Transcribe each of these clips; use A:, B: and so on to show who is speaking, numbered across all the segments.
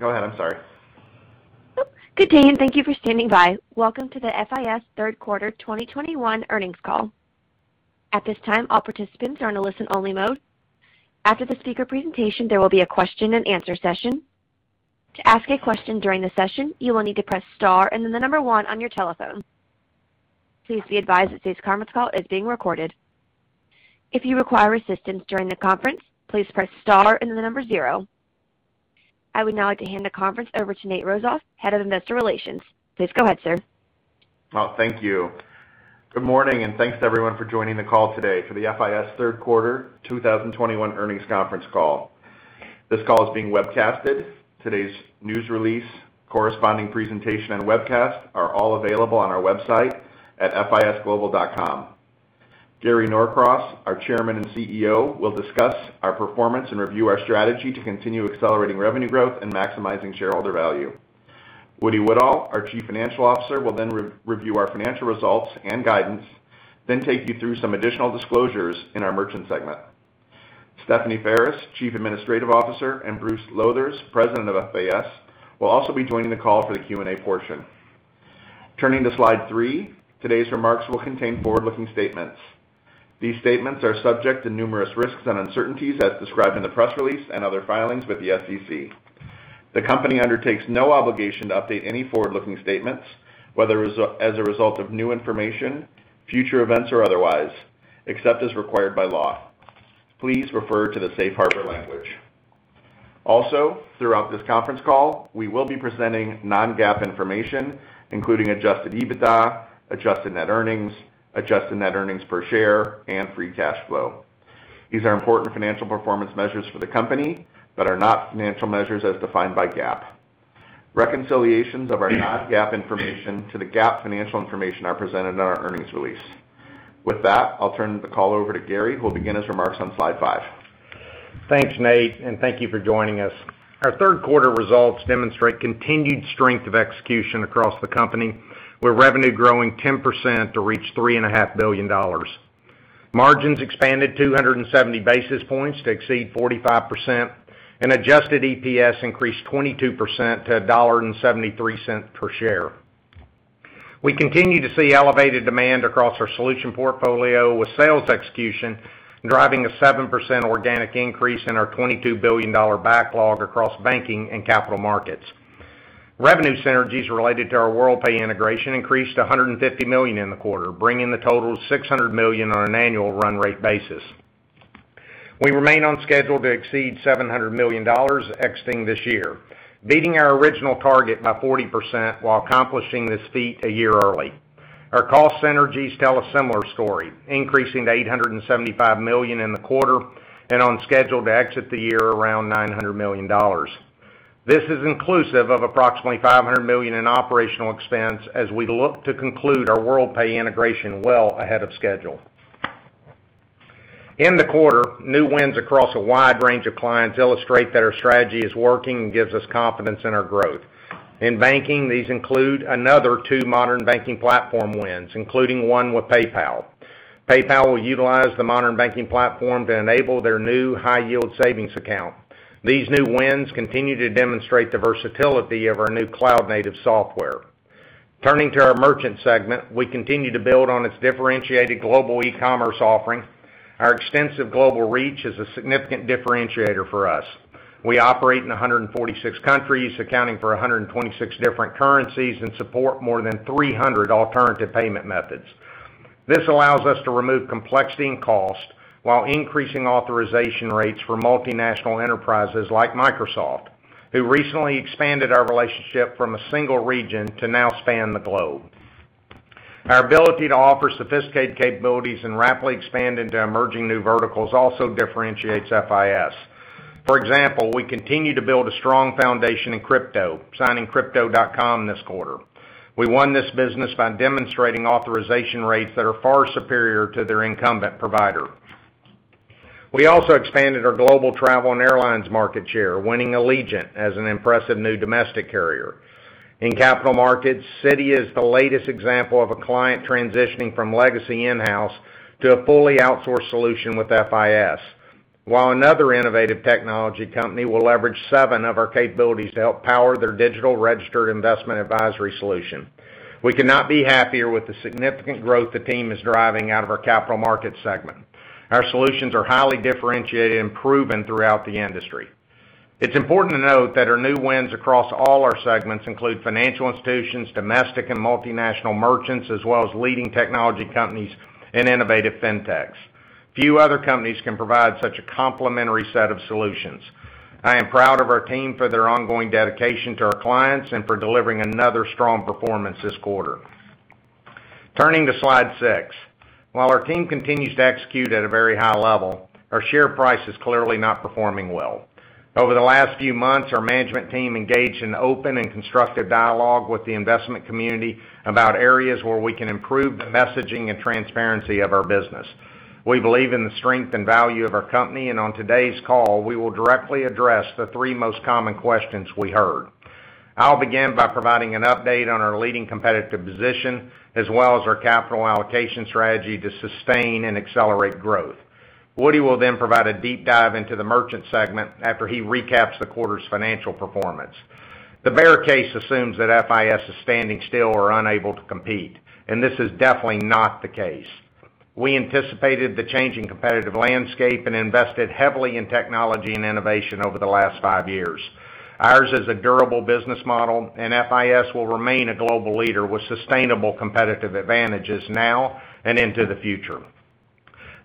A: Go ahead. I'm sorry.
B: Good day, and thank you for standing by. Welcome to the FIS third quarter 2021 earnings call. At this time, all participants are in a listen-only mode. After the speaker presentation, there will be a question-and-answer session. To ask a question during the session, you will need to press * and then the number 1 on your telephone. Please be advised that today's conference call is being recorded. If you require assistance during the conference, please press * and then the number 0. I would now like to hand the conference over to Nate Rozof, Head of Investor Relations. Please go ahead, sir.
A: Oh, thank you. Good morning, and thanks to everyone for joining the call today for the FIS third quarter 2021 earnings conference call. This call is being webcasted. Today's news release, corresponding presentation, and webcast are all available on our website at fisglobal.com. Gary Norcross, our Chairman and CEO, will discuss our performance and review our strategy to continue accelerating revenue growth and maximizing shareholder value. Woody Woodall, our Chief Financial Officer, will then re-review our financial results and guidance, then take you through some additional disclosures in our merchant segment. Stephanie Ferris, Chief Administrative Officer, and Bruce Lowthers, President of FIS, will also be joining the call for the Q&A portion. Turning to slide 3. Today's remarks will contain forward-looking statements. These statements are subject to numerous risks and uncertainties as described in the press release and other filings with the SEC. The company undertakes no obligation to update any forward-looking statements, whether as a result of new information, future events or otherwise, except as required by law. Please refer to the safe harbor language. Also, throughout this conference call, we will be presenting non-GAAP information, including adjusted EBITDA, adjusted net earnings, adjusted net earnings per share, and free cash flow. These are important financial performance measures for the company, but are not financial measures as defined by GAAP. Reconciliations of our non-GAAP information to the GAAP financial information are presented in our earnings release. With that, I'll turn the call over to Gary, who will begin his remarks on slide 5.
C: Thanks, Nate, and thank you for joining us. Our third quarter results demonstrate continued strength of execution across the company, with revenue growing 10% to reach $3.5 billion. Margins expanded 270 basis points to exceed 45%, and adjusted EPS increased 22% to $1.73 per share. We continue to see elevated demand across our solution portfolio, with sales execution driving a 7% organic increase in our $22 billion backlog across banking and capital markets. Revenue synergies related to our Worldpay integration increased to $150 million in the quarter, bringing the total to $600 million on an annual run rate basis. We remain on schedule to exceed $700 million exiting this year, beating our original target by 40% while accomplishing this feat a year early. Our cost synergies tell a similar story, increasing to $875 million in the quarter and on schedule to exit the year around $900 million. This is inclusive of approximately $500 million in operating expenses as we look to conclude our Worldpay integration well ahead of schedule. In the quarter, new wins across a wide range of clients illustrate that our strategy is working and gives us confidence in our growth. In banking, these include another two Modern Banking Platform wins, including one with PayPal. PayPal will utilize the Modern Banking Platform to enable their new high-yield savings account. These new wins continue to demonstrate the versatility of our new cloud-native software. Turning to our merchant segment, we continue to build on its differentiated global e-commerce offering. Our extensive global reach is a significant differentiator for us. We operate in 146 countries, accounting for 126 different currencies, and support more than 300 alternative payment methods. This allows us to remove complexity and cost while increasing authorization rates for multinational enterprises like Microsoft, who recently expanded our relationship from a single region to now span the globe. Our ability to offer sophisticated capabilities and rapidly expand into emerging new verticals also differentiates FIS. For example, we continue to build a strong foundation in crypto, signing Crypto.com this quarter. We won this business by demonstrating authorization rates that are far superior to their incumbent provider. We also expanded our global travel and airlines market share, winning Allegiant as an impressive new domestic carrier. In capital markets, Citi is the latest example of a client transitioning from legacy in-house to a fully outsourced solution with FIS, while another innovative technology company will leverage seven of our capabilities to help power their digital-registered investment advisory solution. We could not be happier with the significant growth the team is driving out of our capital markets segment. Our solutions are highly differentiated and proven throughout the industry. It's important to note that our new wins across all our segments include financial institutions, domestic and multinational merchants, as well as leading technology companies and innovative fintechs. Few other companies can provide such a complementary set of solutions. I am proud of our team for their ongoing dedication to our clients and for delivering another strong performance this quarter. Turning to slide six. While our team continues to execute at a very high level, our share price is clearly not performing well. Over the last few months, our management team engaged in open and constructive dialogue with the investment community about areas where we can improve the messaging and transparency of our business. We believe in the strength and value of our company, and on today's call, we will directly address the three most common questions we heard. I'll begin by providing an update on our leading competitive position, as well as our capital allocation strategy to sustain and accelerate growth. Woody will then provide a deep dive into the merchant segment after he recaps the quarter's financial performance. The bear case assumes that FIS is standing still or unable to compete, and this is definitely not the case. We anticipated the changing competitive landscape and invested heavily in technology and innovation over the last 5 years. Ours is a durable business model, and FIS will remain a global leader with sustainable competitive advantages now and into the future.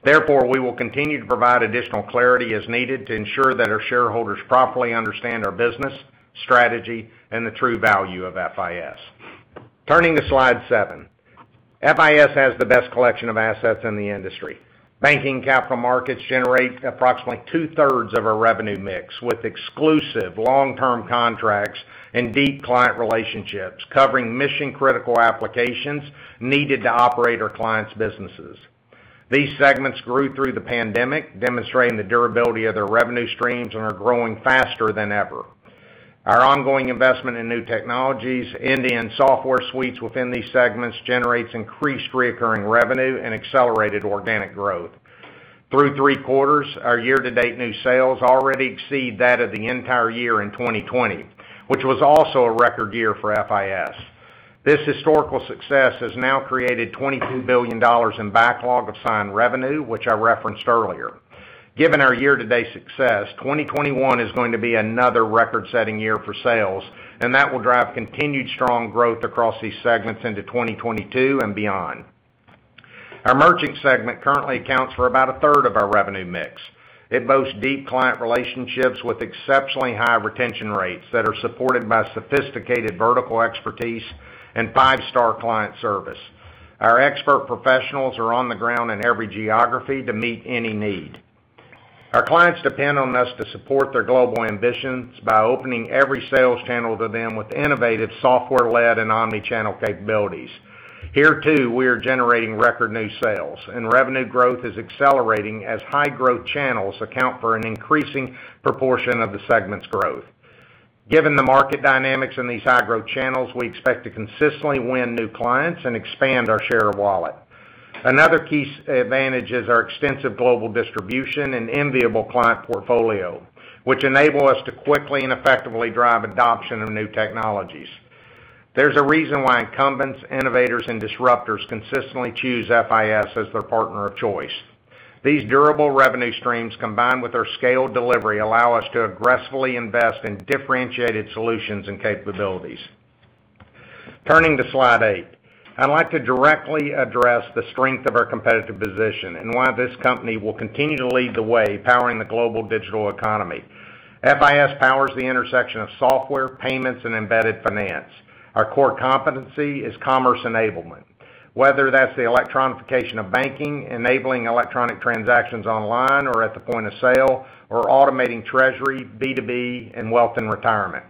C: Therefore, we will continue to provide additional clarity as needed to ensure that our shareholders properly understand our business, strategy, and the true value of FIS. Turning to slide 7. FIS has the best collection of assets in the industry. Banking and Capital Markets generate approximately 2/3 of our revenue mix, with exclusive long-term contracts and deep client relationships covering mission-critical applications needed to operate our clients' businesses. These segments grew through the pandemic, demonstrating the durability of their revenue streams and are growing faster than ever. Our ongoing investment in new technologies and software suites within these segments generates increased recurring revenue and accelerated organic growth. Through three quarters, our year-to-date new sales already exceed that of the entire year in 2020, which was also a record year for FIS. This historical success has now created $22 billion in backlog of signed revenue, which I referenced earlier. Given our year-to-date success, 2021 is going to be another record-setting year for sales, and that will drive continued strong growth across these segments into 2022 and beyond. Our merchant segment currently accounts for about a third of our revenue mix. It boasts deep client relationships with exceptionally high retention rates that are supported by sophisticated vertical expertise and 5-Star client service. Our expert professionals are on the ground in every geography to meet any need. Our clients depend on us to support their global ambitions by opening every sales channel to them with innovative software-led and omni-channel capabilities. Here too, we are generating record new sales, and revenue growth is accelerating as high-growth channels account for an increasing proportion of the segment's growth. Given the market dynamics in these high-growth channels, we expect to consistently win new clients and expand our share of wallet. Another key advantage is our extensive global distribution and enviable client portfolio, which enable us to quickly and effectively drive adoption of new technologies. There's a reason why incumbents, innovators, and disruptors consistently choose FIS as their partner of choice. These durable revenue streams, combined with our scaled delivery, allow us to aggressively invest in differentiated solutions and capabilities. Turning to slide eight. I'd like to directly address the strength of our competitive position and why this company will continue to lead the way powering the global digital economy. FIS powers the intersection of software, payments, and embedded finance. Our core competency is commerce enablement, whether that's the electronification of banking, enabling electronic transactions online or at the point of sale, or automating treasury, B2B, and wealth and retirement.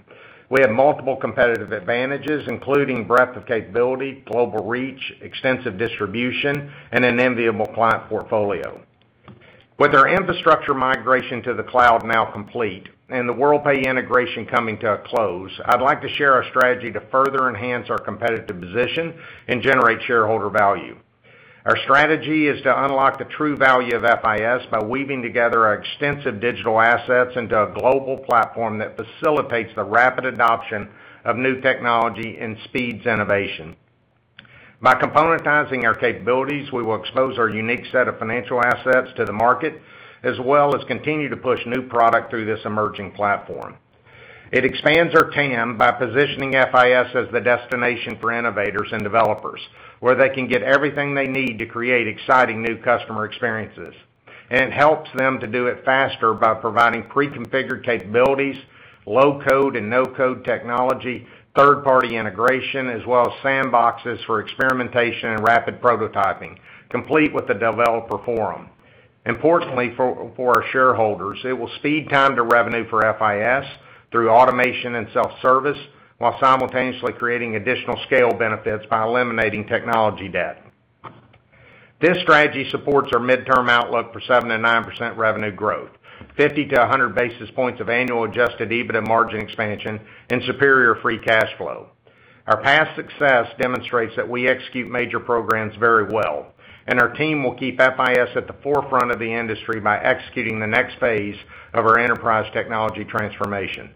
C: We have multiple competitive advantages, including breadth of capability, global reach, extensive distribution, and an enviable client portfolio. With our infrastructure migration to the cloud now complete and the Worldpay integration coming to a close, I'd like to share our strategy to further enhance our competitive position and generate shareholder value. Our strategy is to unlock the true value of FIS by weaving together our extensive digital assets into a global platform that facilitates the rapid adoption of new technology and speeds innovation. By componentizing our capabilities, we will expose our unique set of financial assets to the market, as well as continue to push new product through this emerging platform. It expands our TAM by positioning FIS as the destination for innovators and developers, where they can get everything they need to create exciting new customer experiences. It helps them to do it faster by providing pre-configured capabilities, low-code and no-code technology, third-party integration, as well as sandboxes for experimentation and rapid prototyping, complete with a developer forum. Importantly for our shareholders, it will speed time to revenue for FIS through automation and self-service, while simultaneously creating additional scale benefits by eliminating technology debt. This strategy supports our midterm outlook for 7%-9% revenue growth, 50-100 basis points of annual adjusted EBITDA margin expansion, and superior free cash flow. Our past success demonstrates that we execute major programs very well, and our team will keep FIS at the forefront of the industry by executing the next phase of our enterprise technology transformation.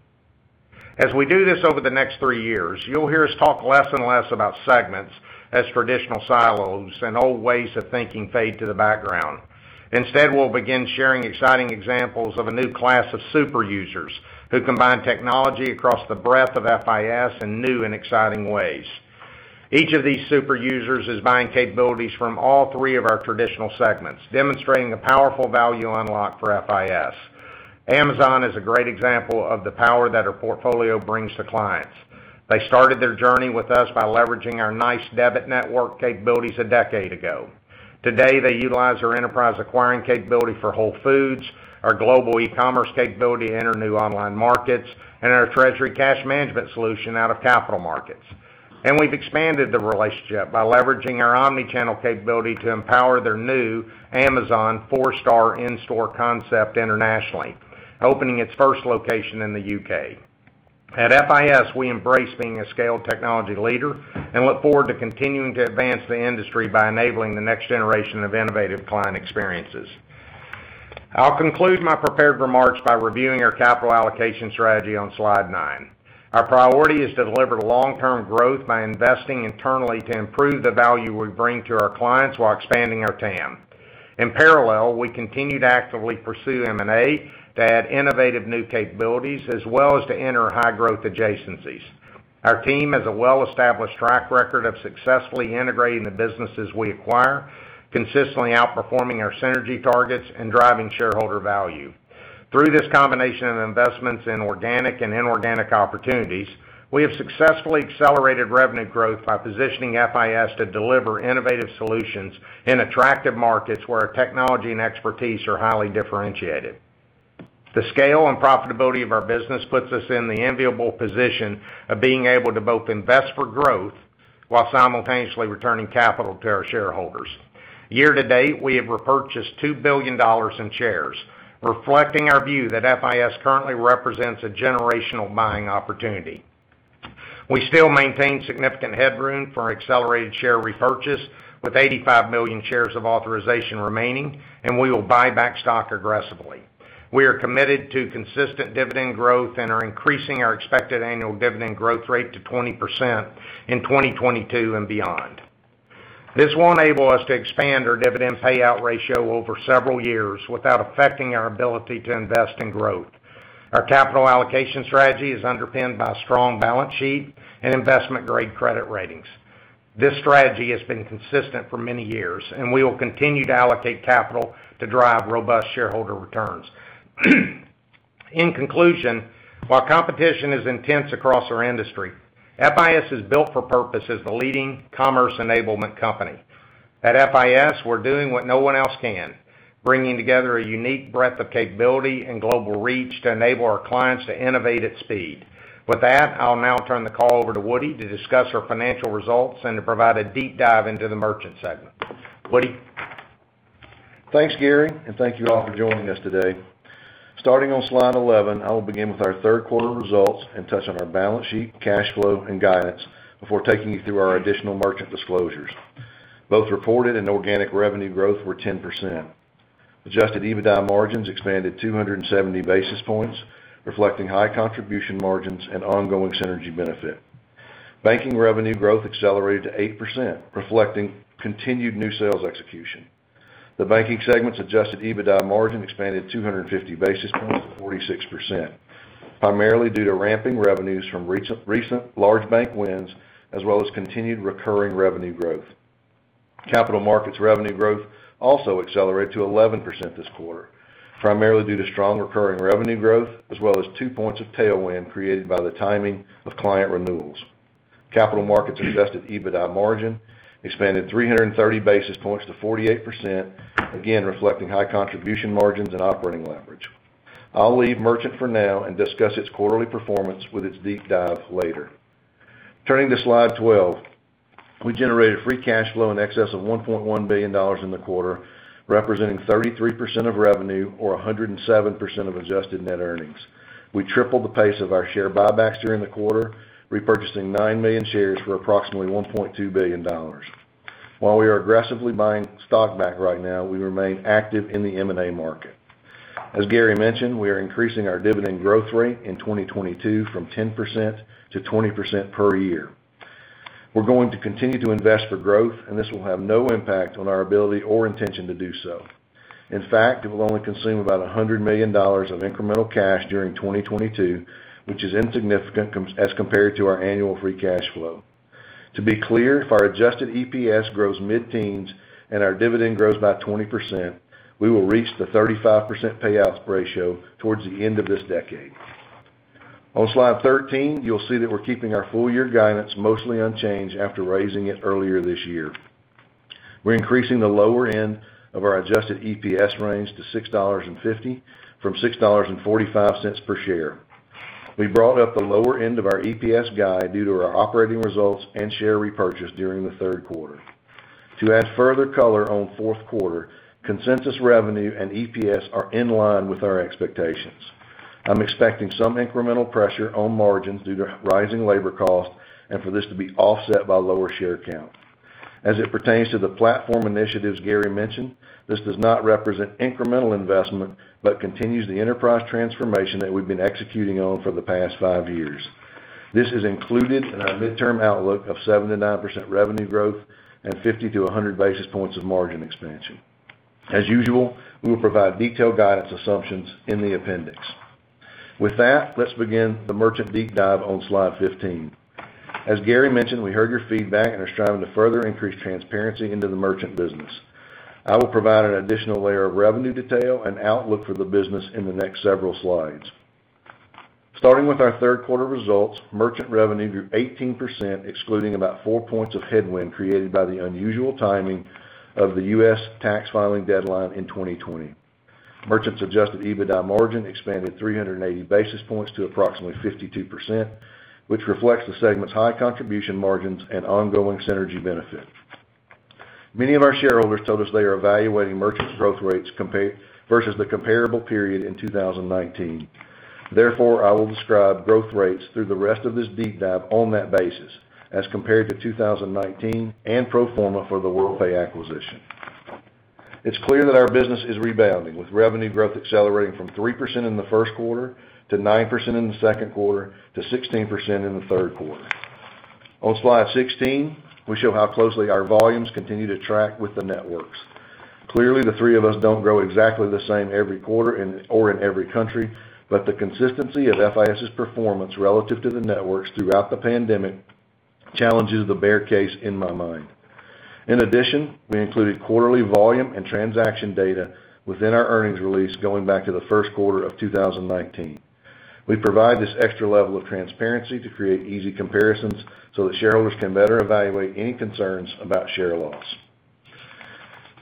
C: As we do this over the next three years, you'll hear us talk less and less about segments as traditional silos and old ways of thinking fade to the background. Instead, we'll begin sharing exciting examples of a new class of super users who combine technology across the breadth of FIS in new and exciting ways. Each of these super users is buying capabilities from all three of our traditional segments, demonstrating the powerful value unlock for FIS. Amazon is a great example of the power that our portfolio brings to clients. They started their journey with us by leveraging our NYCE debit network capabilities a decade ago. Today, they utilize our enterprise acquiring capability for Whole Foods, our global e-commerce capability to enter new online markets, and our treasury cash management solution out of capital markets. We've expanded the relationship by leveraging our omni-channel capability to empower their new Amazon 4-Star in-store concept internationally, opening its first location in the U.K. At FIS, we embrace being a scaled technology leader and look forward to continuing to advance the industry by enabling the next generation of innovative client experiences. I'll conclude my prepared remarks by reviewing our capital allocation strategy on slide nine. Our priority is to deliver long-term growth by investing internally to improve the value we bring to our clients while expanding our TAM. In parallel, we continue to actively pursue M&A to add innovative new capabilities as well as to enter high-growth adjacencies. Our team has a well-established track record of successfully integrating the businesses we acquire, consistently outperforming our synergy targets and driving shareholder value. Through this combination of investments in organic and inorganic opportunities, we have successfully accelerated revenue growth by positioning FIS to deliver innovative solutions in attractive markets where our technology and expertise are highly differentiated. The scale and profitability of our business puts us in the enviable position of being able to both invest for growth while simultaneously returning capital to our shareholders. Year to date, we have repurchased $2 billion in shares, reflecting our view that FIS currently represents a generational buying opportunity. We still maintain significant headroom for accelerated share repurchase with 85 million shares of authorization remaining, and we will buy back stock aggressively. We are committed to consistent dividend growth and are increasing our expected annual dividend growth rate to 20% in 2022 and beyond. This will enable us to expand our dividend payout ratio over several years without affecting our ability to invest in growth. Our capital allocation strategy is underpinned by a strong balance sheet and investment-grade credit ratings. This strategy has been consistent for many years, and we will continue to allocate capital to drive robust shareholder returns. In conclusion, while competition is intense across our industry, FIS is built for purpose as the leading commerce enablement company. At FIS, we're doing what no one else can, bringing together a unique breadth of capability and global reach to enable our clients to innovate at speed. With that, I'll now turn the call over to Woody to discuss our financial results and to provide a deep dive into the merchant segment. Woody?
D: Thanks, Gary, and thank you all for joining us today. Starting on slide 11, I will begin with our third quarter results and touch on our balance sheet, cash flow, and guidance before taking you through our additional merchant disclosures. Both reported and organic revenue growth were 10%. Adjusted EBITDA margins expanded 270 basis points, reflecting high contribution margins and ongoing synergy benefit. Banking revenue growth accelerated to 8%, reflecting continued new sales execution. The banking segment's adjusted EBITDA margin expanded 250 basis points to 46%, primarily due to ramping revenues from recent large bank wins as well as continued recurring revenue growth. Capital markets revenue growth also accelerated to 11% this quarter, primarily due to strong recurring revenue growth as well as two points of tailwind created by the timing of client renewals. Capital markets' adjusted EBITDA margin expanded 330 basis points to 48%, again reflecting high contribution margins and operating leverage. I'll leave merchant for now and discuss its quarterly performance with its deep dive later. Turning to slide 12, we generated free cash flow in excess of $1.1 billion in the quarter, representing 33% of revenue or 107% of adjusted net earnings. We tripled the pace of our share buybacks during the quarter, repurchasing 9 million shares for approximately $1.2 billion. While we are aggressively buying stock back right now, we remain active in the M&A market. As Gary mentioned, we are increasing our dividend growth rate in 2022 from 10% to 20% per year. We're going to continue to invest for growth, and this will have no impact on our ability or intention to do so. In fact, it will only consume about $100 million of incremental cash during 2022, which is insignificant as compared to our annual free cash flow. To be clear, if our adjusted EPS grows mid-teens and our dividend grows by 20%, we will reach the 35% payout ratio towards the end of this decade. On slide 13, you'll see that we're keeping our full year guidance mostly unchanged after raising it earlier this year. We're increasing the lower end of our adjusted EPS range to $6.50 from $6.45 per share. We brought up the lower end of our EPS guide due to our operating results and share repurchase during the third quarter. To add further color on fourth quarter, consensus revenue and EPS are in line with our expectations. I'm expecting some incremental pressure on margins due to rising labor costs and for this to be offset by lower share count. As it pertains to the platform initiatives Gary mentioned, this does not represent incremental investment but continues the enterprise transformation that we've been executing on for the past 5 years. This is included in our midterm outlook of 7%-9% revenue growth and 50-100 basis points of margin expansion. As usual, we will provide detailed guidance assumptions in the appendix. With that, let's begin the merchant deep dive on slide 15. As Gary mentioned, we heard your feedback and are striving to further increase transparency into the merchant business. I will provide an additional layer of revenue detail and outlook for the business in the next several slides. Starting with our third quarter results, Merchant revenue grew 18%, excluding about four points of headwind created by the unusual timing of the U.S. tax filing deadline in 2020. Merchant's adjusted EBITDA margin expanded 380 basis points to approximately 52%, which reflects the segment's high contribution margins and ongoing synergy benefit. Many of our shareholders told us they are evaluating Merchant's growth rates versus the comparable period in 2019. Therefore, I will describe growth rates through the rest of this deep dive on that basis as compared to 2019 and pro forma for the Worldpay acquisition. It's clear that our business is rebounding, with revenue growth accelerating from 3% in the first quarter to 9% in the second quarter to 16% in the third quarter. On slide 16, we show how closely our volumes continue to track with the networks. Clearly, the three of us don't grow exactly the same every quarter, or in every country, but the consistency of FIS's performance relative to the networks throughout the pandemic challenges the bear case in my mind. In addition, we included quarterly volume and transaction data within our earnings release going back to the first quarter of 2019. We provide this extra level of transparency to create easy comparisons so that shareholders can better evaluate any concerns about share loss.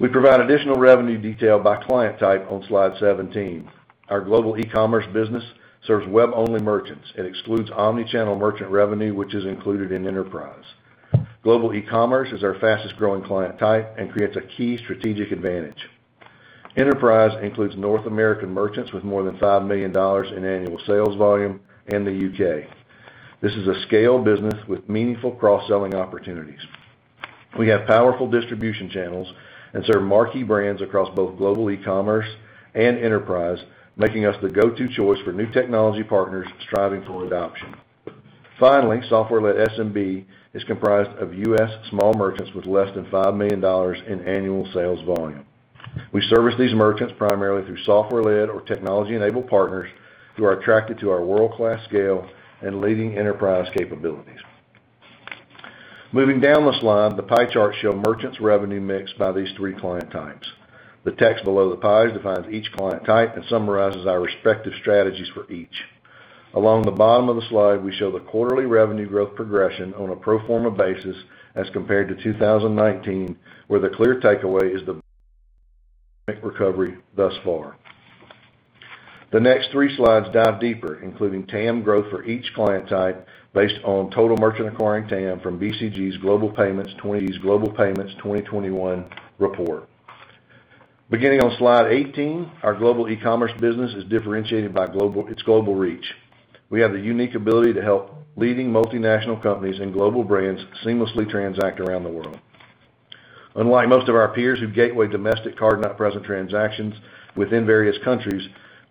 D: We provide additional revenue detail by client type on slide 17. Our global e-commerce business serves web-only merchants and excludes omni-channel merchant revenue, which is included in enterprise. Global e-commerce is our fastest-growing client type and creates a key strategic advantage. Enterprise includes North American merchants with more than $5 million in annual sales volume in the U.K. This is a scale business with meaningful cross-selling opportunities. We have powerful distribution channels and serve marquee brands across both global e-commerce and enterprise, making us the go-to choice for new technology partners striving for adoption. Finally, software-led SMB is comprised of U.S. small merchants with less than $5 million in annual sales volume. We service these merchants primarily through software-led or technology-enabled partners who are attracted to our world-class scale and leading enterprise capabilities. Moving down the slide, the pie charts show merchants' revenue mix by these three client types. The text below the pies defines each client type and summarizes our respective strategies for each. Along the bottom of the slide, we show the quarterly revenue growth progression on a pro forma basis as compared to 2019, where the clear takeaway is the recovery thus far. The next three slides dive deeper, including TAM growth for each client type based on total merchant acquiring TAM from BCG's Global Payments 2021 report. Beginning on slide 18, our global e-commerce business is differentiated by its global reach. We have the unique ability to help leading multinational companies and global brands seamlessly transact around the world. Unlike most of our peers who gateway domestic card not present transactions within various countries,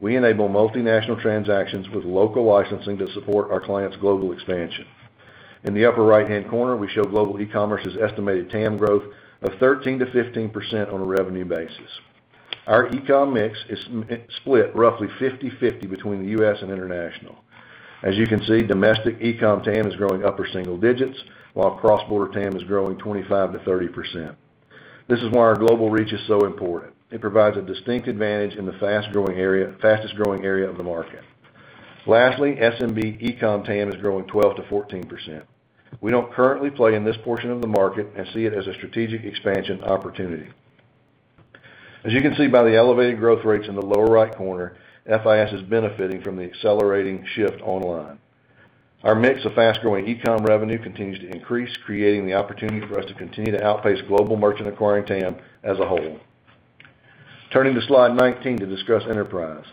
D: we enable multinational transactions with local licensing to support our clients' global expansion. In the upper right-hand corner, we show global e-commerce's estimated TAM growth of 13%-15% on a revenue basis. Our e-com mix is split roughly 50/50 between the U.S. and international. As you can see, domestic e-com TAM is growing upper single digits, while cross-border TAM is growing 25%-30%. This is why our global reach is so important. It provides a distinct advantage in the fastest-growing area of the market. Lastly, SMB e-com TAM is growing 12%-14%. We don't currently play in this portion of the market and see it as a strategic expansion opportunity. As you can see by the elevated growth rates in the lower right corner, FIS is benefiting from the accelerating shift online. Our mix of fast-growing e-com revenue continues to increase, creating the opportunity for us to continue to outpace global merchant acquiring TAM as a whole. Turning to slide 19 to discuss enterprise.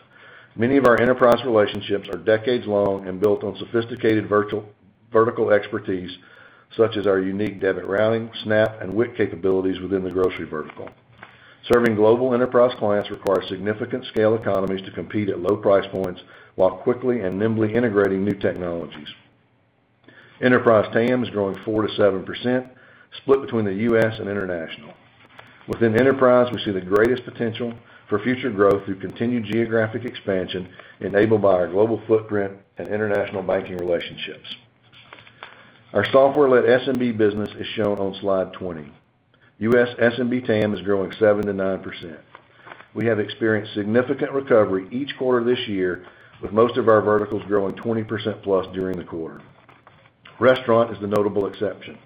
D: Many of our enterprise relationships are decades long and built on sophisticated vertical expertise, such as our unique debit routing, SNAP, and WIC capabilities within the grocery vertical. Serving global enterprise clients requires significant scale economies to compete at low price points while quickly and nimbly integrating new technologies. Enterprise TAM is growing 4%-7%, split between the U.S. and international. Within enterprise, we see the greatest potential for future growth through continued geographic expansion enabled by our global footprint and international banking relationships. Our software-led SMB business is shown on slide 20. U.S. SMB TAM is growing 7%-9%. We have experienced significant recovery each quarter this year, with most of our verticals growing 20%+ during the quarter. Restaurant is the notable exception.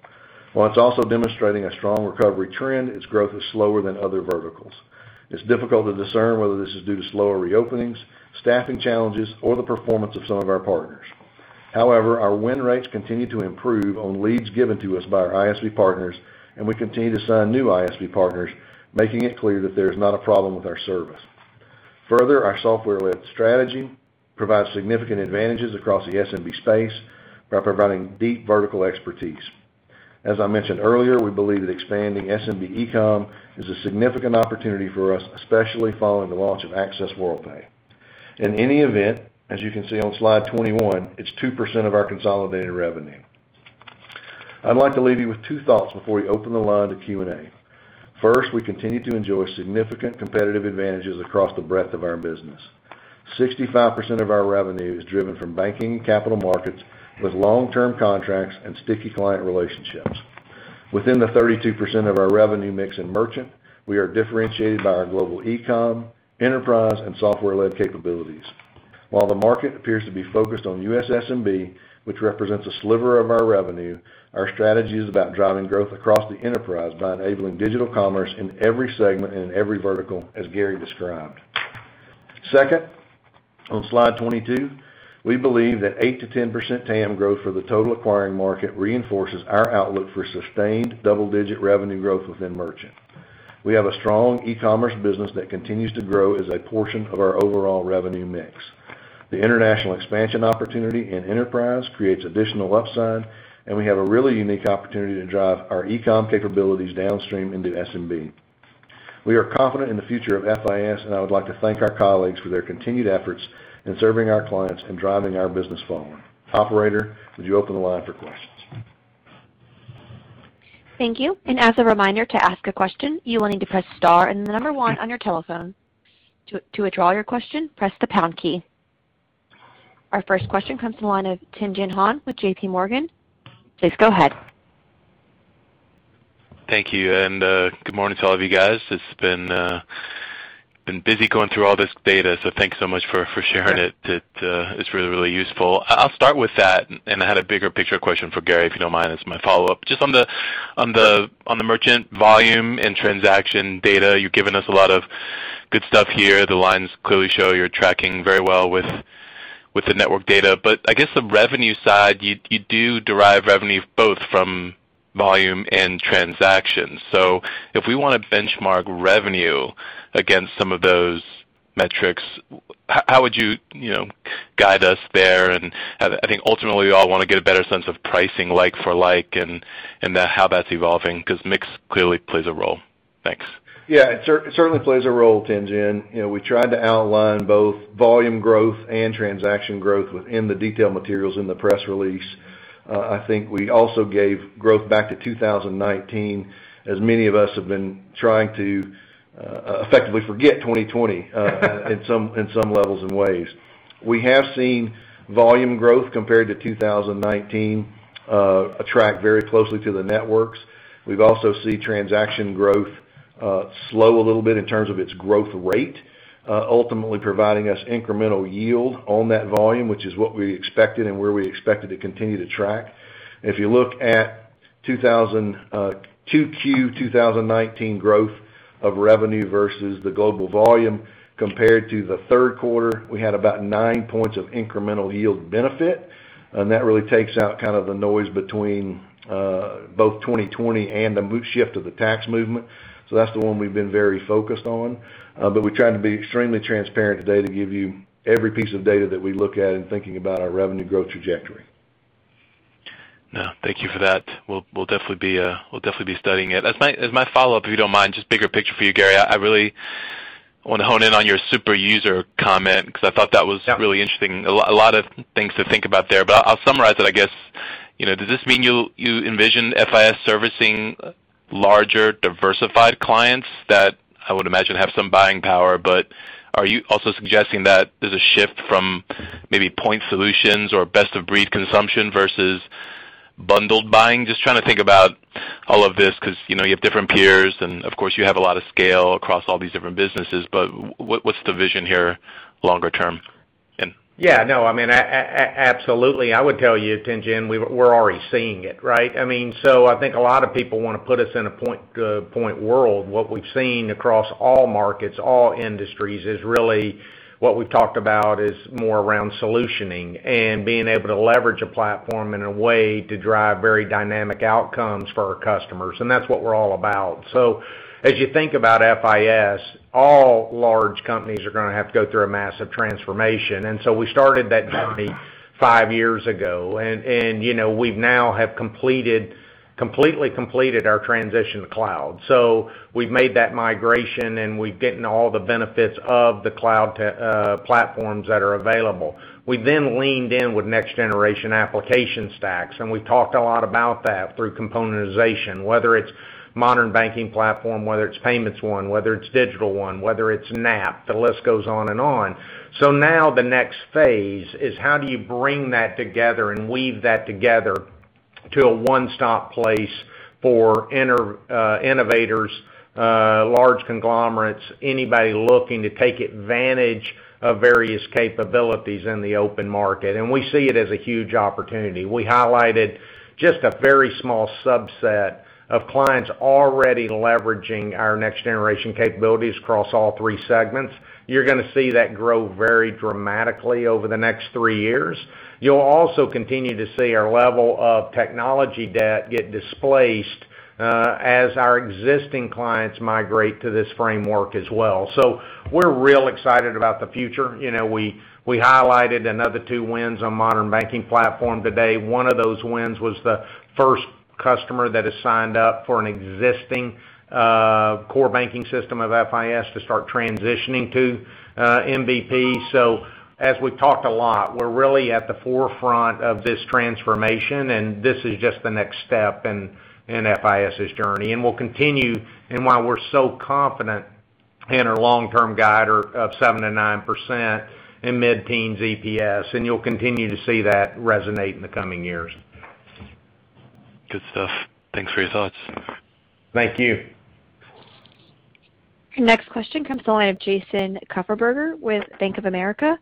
D: While it's also demonstrating a strong recovery trend, its growth is slower than other verticals. It's difficult to discern whether this is due to slower reopenings, staffing challenges, or the performance of some of our partners. However, our win rates continue to improve on leads given to us by our ISV partners, and we continue to sign new ISV partners, making it clear that there is not a problem with our service. Further, our software-led strategy provides significant advantages across the SMB space by providing deep vertical expertise. As I mentioned earlier, we believe that expanding SMB e-com is a significant opportunity for us, especially following the launch of Access Worldpay. In any event, as you can see on slide 21, it's 2% of our consolidated revenue. I'd like to leave you with two thoughts before we open the line to Q&A. First, we continue to enjoy significant competitive advantages across the breadth of our business. 65% of our revenue is driven from banking and capital markets with long-term contracts and sticky client relationships. Within the 32% of our revenue mix in merchant, we are differentiated by our global e-com, enterprise, and software-led capabilities. While the market appears to be focused on U.S. SMB, which represents a sliver of our revenue, our strategy is about driving growth across the enterprise by enabling digital commerce in every segment and in every vertical as Gary described. Second, on slide 22, we believe that 8%-10% TAM growth for the total acquiring market reinforces our outlook for sustained double-digit revenue growth within merchant. We have a strong e-commerce business that continues to grow as a portion of our overall revenue mix. The international expansion opportunity in enterprise creates additional upside, and we have a really unique opportunity to drive our e-com capabilities downstream into SMB. We are confident in the future of FIS, and I would like to thank our colleagues for their continued efforts in serving our clients and driving our business forward. Operator, would you open the line for questions?
B: Thank you. As a reminder to ask a question, you will need to press * and the number 1 on your telephone. To withdraw your question, press the pound key. Our first question comes from the line of Tien-Tsin Huang with JPMorgan. Please go ahead.
E: Thank you, and good morning to all of you guys. It's been busy going through all this data, so thanks so much for sharing it. It is really, really useful. I'll start with that, and I had a bigger picture question for Gary, if you don't mind, as my follow-up. Just on the merchant volume and transaction data, you've given us a lot of good stuff here. The lines clearly show you're tracking very well with the network data. I guess the revenue side, you do derive revenue both from volume and transactions. If we want to benchmark revenue against some of those metrics, how would you guide us there? I think ultimately we all want to get a better sense of pricing like for like and that, how that's evolving because mix clearly plays a role. Thanks.
D: Yeah. It certainly plays a role, Tien-Tsin. You know, we tried to outline both volume growth and transaction growth within the detailed materials in the press release. I think we also gave growth back to 2019, as many of us have been trying to effectively forget 2020, in some levels and ways. We have seen volume growth compared to 2019 track very closely to the networks. We've also seen transaction growth slow a little bit in terms of its growth rate, ultimately providing us incremental yield on that volume, which is what we expected and where we expected to continue to track. If you look at Q2 2019 growth of revenue versus the global volume, compared to the third quarter, we had about 9 points of incremental yield benefit, and that really takes out kind of the noise between both 2020 and the mix shift of the tax movement. That's the one we've been very focused on. We tried to be extremely transparent today to give you every piece of data that we look at in thinking about our revenue growth trajectory.
E: No, thank you for that. We'll definitely be studying it. As my follow-up, if you don't mind, just bigger picture for you, Gary. I really want to hone in on your super user comment because I thought that was really interesting. A lot of things to think about there, but I'll summarize it, I guess. You know, does this mean you'll, you envision FIS servicing larger, diversified clients that I would imagine have some buying power, but are you also suggesting that there's a shift from maybe point solutions or best of breed consumption versus bundled buying? Just trying to think about all of this because, you know, you have different peers and, of course, you have a lot of scale across all these different businesses. What's the vision here longer term?
C: Yeah, no, I mean, absolutely. I would tell you, Tien-Tsin, we're already seeing it, right? I mean, I think a lot of people want to put us in a point world. What we've seen across all markets, all industries is really what we've talked about is more around solutioning and being able to leverage a platform in a way to drive very dynamic outcomes for our customers, and that's what we're all about. As you think about FIS, all large companies are going to have to go through a massive transformation. We started that journey five years ago. You know, we've now completely completed our transition to cloud. We've made that migration, and we're getting all the benefits of the cloud platforms that are available. We then leaned in with next generation application stacks, and we've talked a lot about that through componentization, whether it's Modern Banking Platform, whether it's Payments One, whether it's Digital One, whether it's NAP, the list goes on and on. Now the next phase is how do you bring that together and weave that together to a one-stop place for innovators, large conglomerates, anybody looking to take advantage of various capabilities in the open market. We see it as a huge opportunity. We highlighted just a very small subset of clients already leveraging our next generation capabilities across all three segments. You're going to see that grow very dramatically over the next three years. You'll also continue to see our level of technology debt get displaced as our existing clients migrate to this framework as well. We're real excited about the future. You know, we highlighted another two wins on Modern Banking Platform today. One of those wins was the first customer that has signed up for an existing core banking system of FIS to start transitioning to MBP. As we've talked a lot, we're really at the forefront of this transformation, and this is just the next step in FIS's journey. We'll continue. While we're so confident in our long-term guide of 7%-9% and mid-teens EPS, you'll continue to see that resonate in the coming years.
E: Good stuff. Thanks for your thoughts.
C: Thank you.
B: Next question comes to the line of Jason Kupferberg with Bank of America.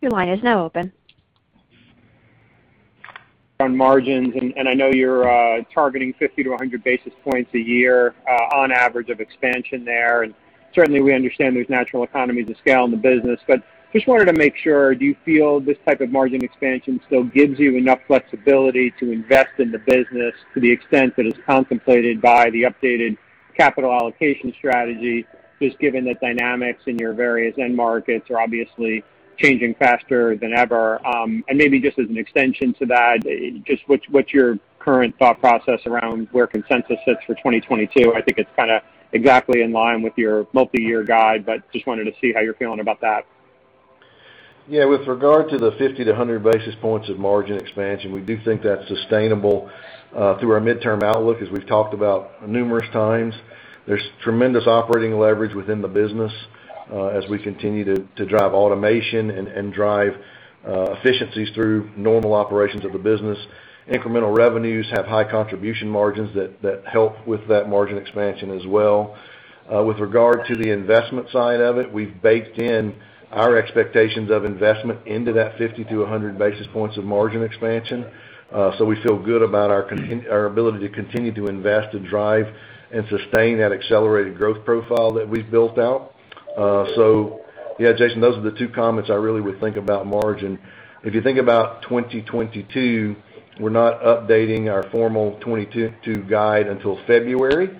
B: Your line is now open.
F: On margins, I know you're targeting 50-100 basis points a year, on average of expansion there. Certainly we understand there's natural economies of scale in the business. Just wanted to make sure, do you feel this type of margin expansion still gives you enough flexibility to invest in the business to the extent that is contemplated by the updated capital allocation strategy, just given the dynamics in your various end markets are obviously changing faster than ever? Maybe just as an extension to that, just what's your current thought process around where consensus sits for 2022? I think it's kinda exactly in line with your multi-year guide, but just wanted to see how you're feeling about that.
D: Yeah, with regard to the 50-100 basis points of margin expansion, we do think that's sustainable through our midterm outlook, as we've talked about numerous times. There's tremendous operating leverage within the business, as we continue to drive automation and drive efficiencies through normal operations of the business. Incremental revenues have high contribution margins that help with that margin expansion as well. With regard to the investment side of it, we've baked in our expectations of investment into that 50-100 basis points of margin expansion. We feel good about our ability to continue to invest and drive and sustain that accelerated growth profile that we've built out. Yeah, Jason, those are the two comments I really would think about margin. If you think about 2022, we're not updating our formal 2022 guide until February.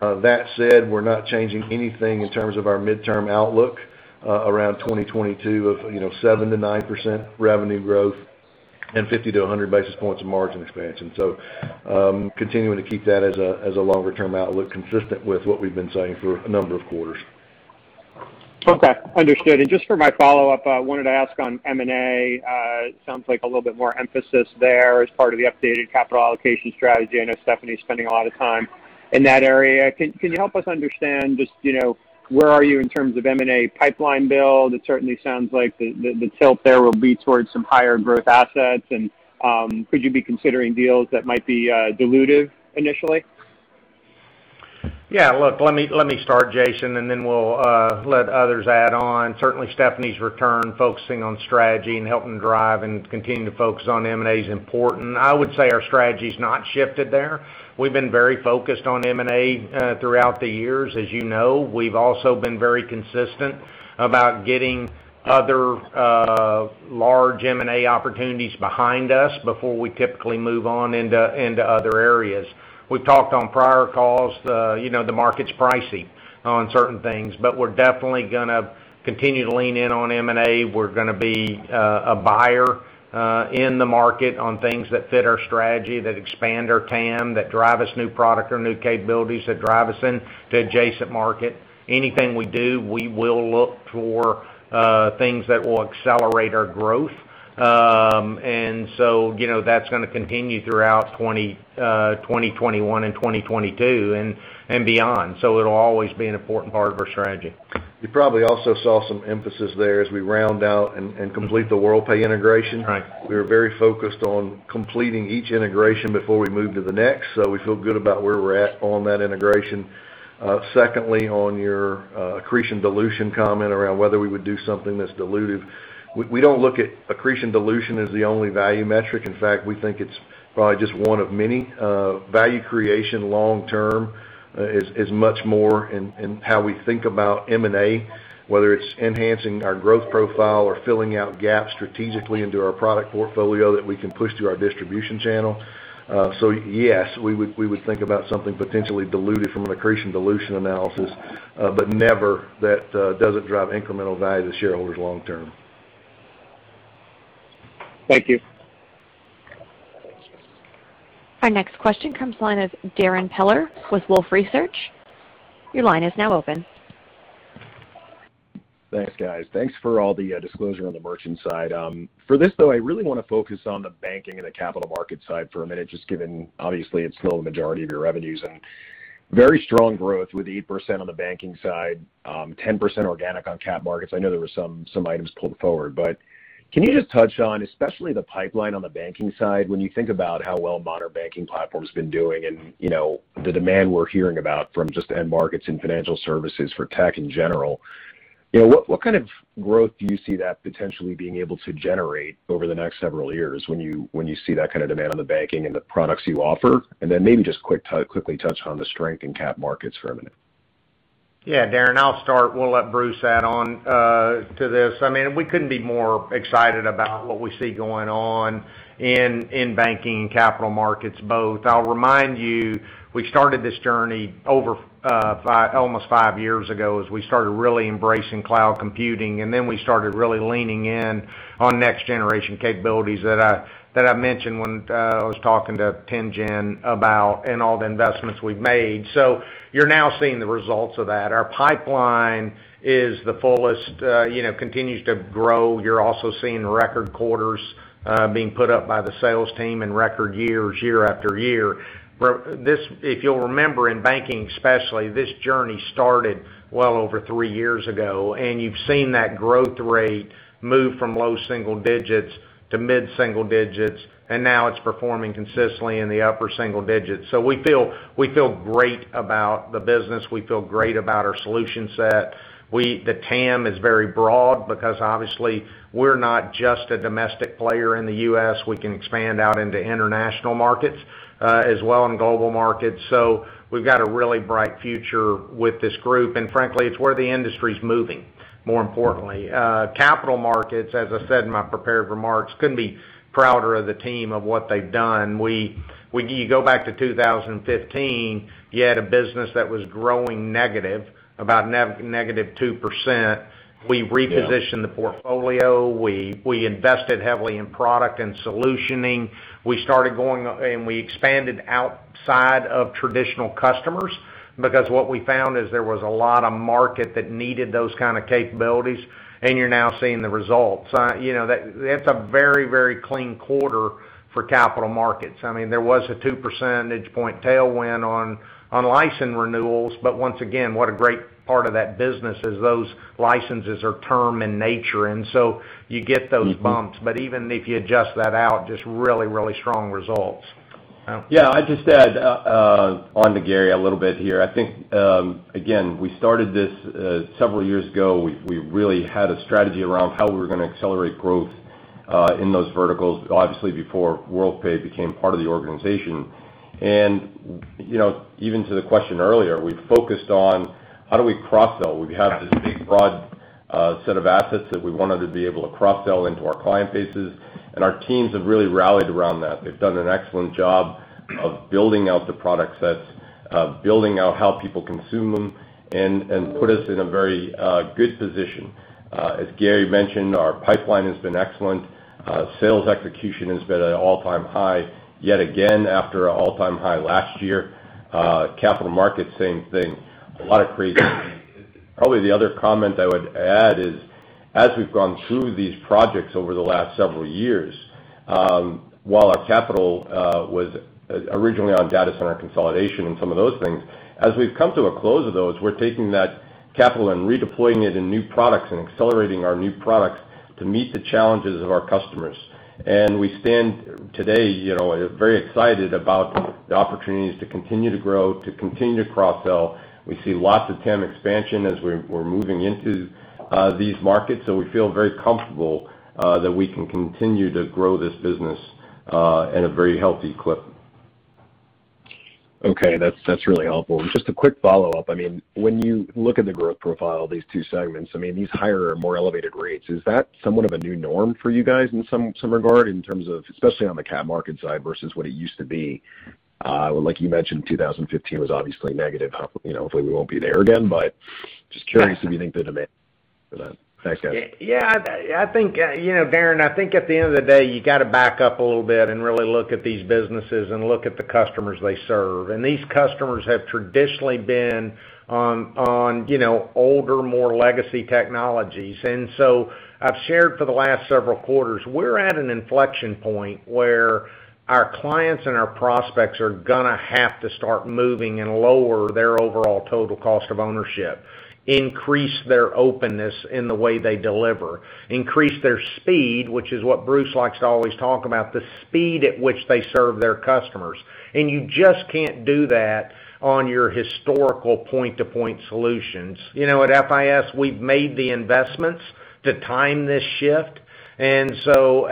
D: That said, we're not changing anything in terms of our midterm outlook around 2022 of, you know, 7%-9% revenue growth and 50-100 basis points of margin expansion. Continuing to keep that as a longer term outlook consistent with what we've been saying for a number of quarters.
F: Okay, understood. Just for my follow-up, I wanted to ask on M&A. It sounds like a little bit more emphasis there as part of the updated capital allocation strategy. I know Stephanie's spending a lot of time in that area. Can you help us understand just, you know, where are you in terms of M&A pipeline build? It certainly sounds like the tilt there will be towards some higher growth assets. Could you be considering deals that might be dilutive initially?
C: Yeah. Look, let me start, Jason, and then we'll let others add on. Certainly, Stephanie's return focusing on strategy and helping drive and continue to focus on M&A is important. I would say our strategy's not shifted there. We've been very focused on M&A throughout the years, as you know. We've also been very consistent about getting other large M&A opportunities behind us before we typically move on into other areas. We've talked on prior calls, you know, the market's pricing on certain things, but we're definitely gonna continue to lean in on M&A. We're gonna be a buyer in the market on things that fit our strategy, that expand our TAM, that drive us new product or new capabilities, that drive us into adjacent market. Anything we do, we will look for things that will accelerate our growth. you know, that's gonna continue throughout 2021 and 2022 and beyond. It'll always be an important part of our strategy.
D: You probably also saw some emphasis there as we round out and complete the Worldpay integration.
F: Right.
D: We are very focused on completing each integration before we move to the next, so we feel good about where we're at on that integration. Secondly, on your accretion dilution comment around whether we would do something that's dilutive, we don't look at accretion dilution as the only value metric. In fact, we think it's probably just one of many. Value creation long term is much more in how we think about M&A, whether it's enhancing our growth profile or filling out gaps strategically into our product portfolio that we can push through our distribution channel. Yes, we would think about something potentially dilutive from an accretion dilution analysis, but never that doesn't drive incremental value to shareholders long term.
F: Thank you.
B: Our next question comes from the line of Darrin Peller with Wolfe Research. Your line is now open.
G: Thanks, guys. Thanks for all the disclosure on the merchant side. For this though, I really wanna focus on the banking and the capital market side for a minute, just given obviously it's still the majority of your revenues. Very strong growth with 8% on the banking side, 10% organic on cap markets. I know there were some items pulled forward. But can you just touch on especially the pipeline on the banking side when you think about how well Modern Banking Platform's been doing and, you know, the demand we're hearing about from just end markets and financial services for tech in general. You know, what kind of growth do you see that potentially being able to generate over the next several years when you see that kind of demand on the banking and the products you offer? Maybe just quickly touch on the strength in cap markets for a minute.
C: Yeah, Darrin, I'll start. We'll let Bruce add on to this. I mean, we couldn't be more excited about what we see going on in banking and capital markets both. I'll remind you, we started this journey over almost 5 years ago as we started really embracing cloud computing, and then we started really leaning in on next generation capabilities that I mentioned when I was talking to Tien-Tsin Huang about and all the investments we've made. You're now seeing the results of that. Our pipeline is the fullest, you know, continues to grow. You're also seeing record quarters being put up by the sales team and record years year after year. If you'll remember in banking especially, this journey started well over three years ago, and you've seen that growth rate move from low single digits to mid single digits, and now it's performing consistently in the upper single digits. We feel great about the business. We feel great about our solution set. The TAM is very broad because obviously we're not just a domestic player in the U.S. We can expand out into international markets, as well, and global markets. We've got a really bright future with this group, and frankly, it's where the industry's moving. More importantly, capital markets, as I said in my prepared remarks, couldn't be prouder of the team of what they've done. You go back to 2015, you had a business that was growing negative, about -2%.
H: Yeah.
C: We repositioned the portfolio. We invested heavily in product and solutioning. We started and we expanded outside of traditional customers because what we found is there was a lot of market that needed those kind of capabilities, and you're now seeing the results. You know, that's a very clean quarter for capital markets. I mean, there was a 2 percentage point tailwind on license renewals. Once again, what a great part of that business is those licenses are term in nature, and so you get those bumps.
H: Mm-hmm.
C: Even if you adjust that out, just really, really strong results. Bruce.
H: Yeah. I'd just add onto Gary a little bit here. I think, again, we started this several years ago. We really had a strategy around how we were gonna accelerate growth in those verticals, obviously before Worldpay became part of the organization. You know, even to the question earlier, we focused on how do we cross-sell? We have this big, broad set of assets that we wanted to be able to cross-sell into our client bases, and our teams have really rallied around that. They've done an excellent job of building out the product sets, of building out how people consume them and put us in a very good position. As Gary mentioned, our pipeline has been excellent. Sales execution has been at an all-time high, yet again, after an all-time high last year. Capital markets, same thing. A lot of creativity. Probably the other comment I would add is, as we've gone through these projects over the last several years, while our capital was originally on data center consolidation and some of those things, as we've come to a close of those, we're taking that capital and redeploying it in new products and accelerating our new products to meet the challenges of our customers. We stand today, you know, very excited about the opportunities to continue to grow, to continue to cross-sell. We see lots of TAM expansion as we're moving into these markets. We feel very comfortable that we can continue to grow this business at a very healthy clip.
G: Okay. That's really helpful. Just a quick follow-up. I mean, when you look at the growth profile of these two segments, I mean, these higher, more elevated rates, is that somewhat of a new norm for you guys in some regard in terms of, especially on the capital markets side versus what it used to be? Like you mentioned, 2015 was obviously negative. You know, hopefully, we won't be there again, but just curious if you think there's a demand for that. Thanks, guys.
C: Yeah. I think, you know, DARRIN, I think at the end of the day, you got to back up a little bit and really look at these businesses and look at the customers they serve. These customers have traditionally been on, you know, older, more legacy technologies. I've shared for the last several quarters, we're at an inflection point where our clients and our prospects are gonna have to start moving and lower their overall total cost of ownership, increase their openness in the way they deliver, increase their speed, which is what Bruce likes to always talk about, the speed at which they serve their customers. You just can't do that on your historical point-to-point solutions. You know, at FIS, we've made the investments to time this shift. Now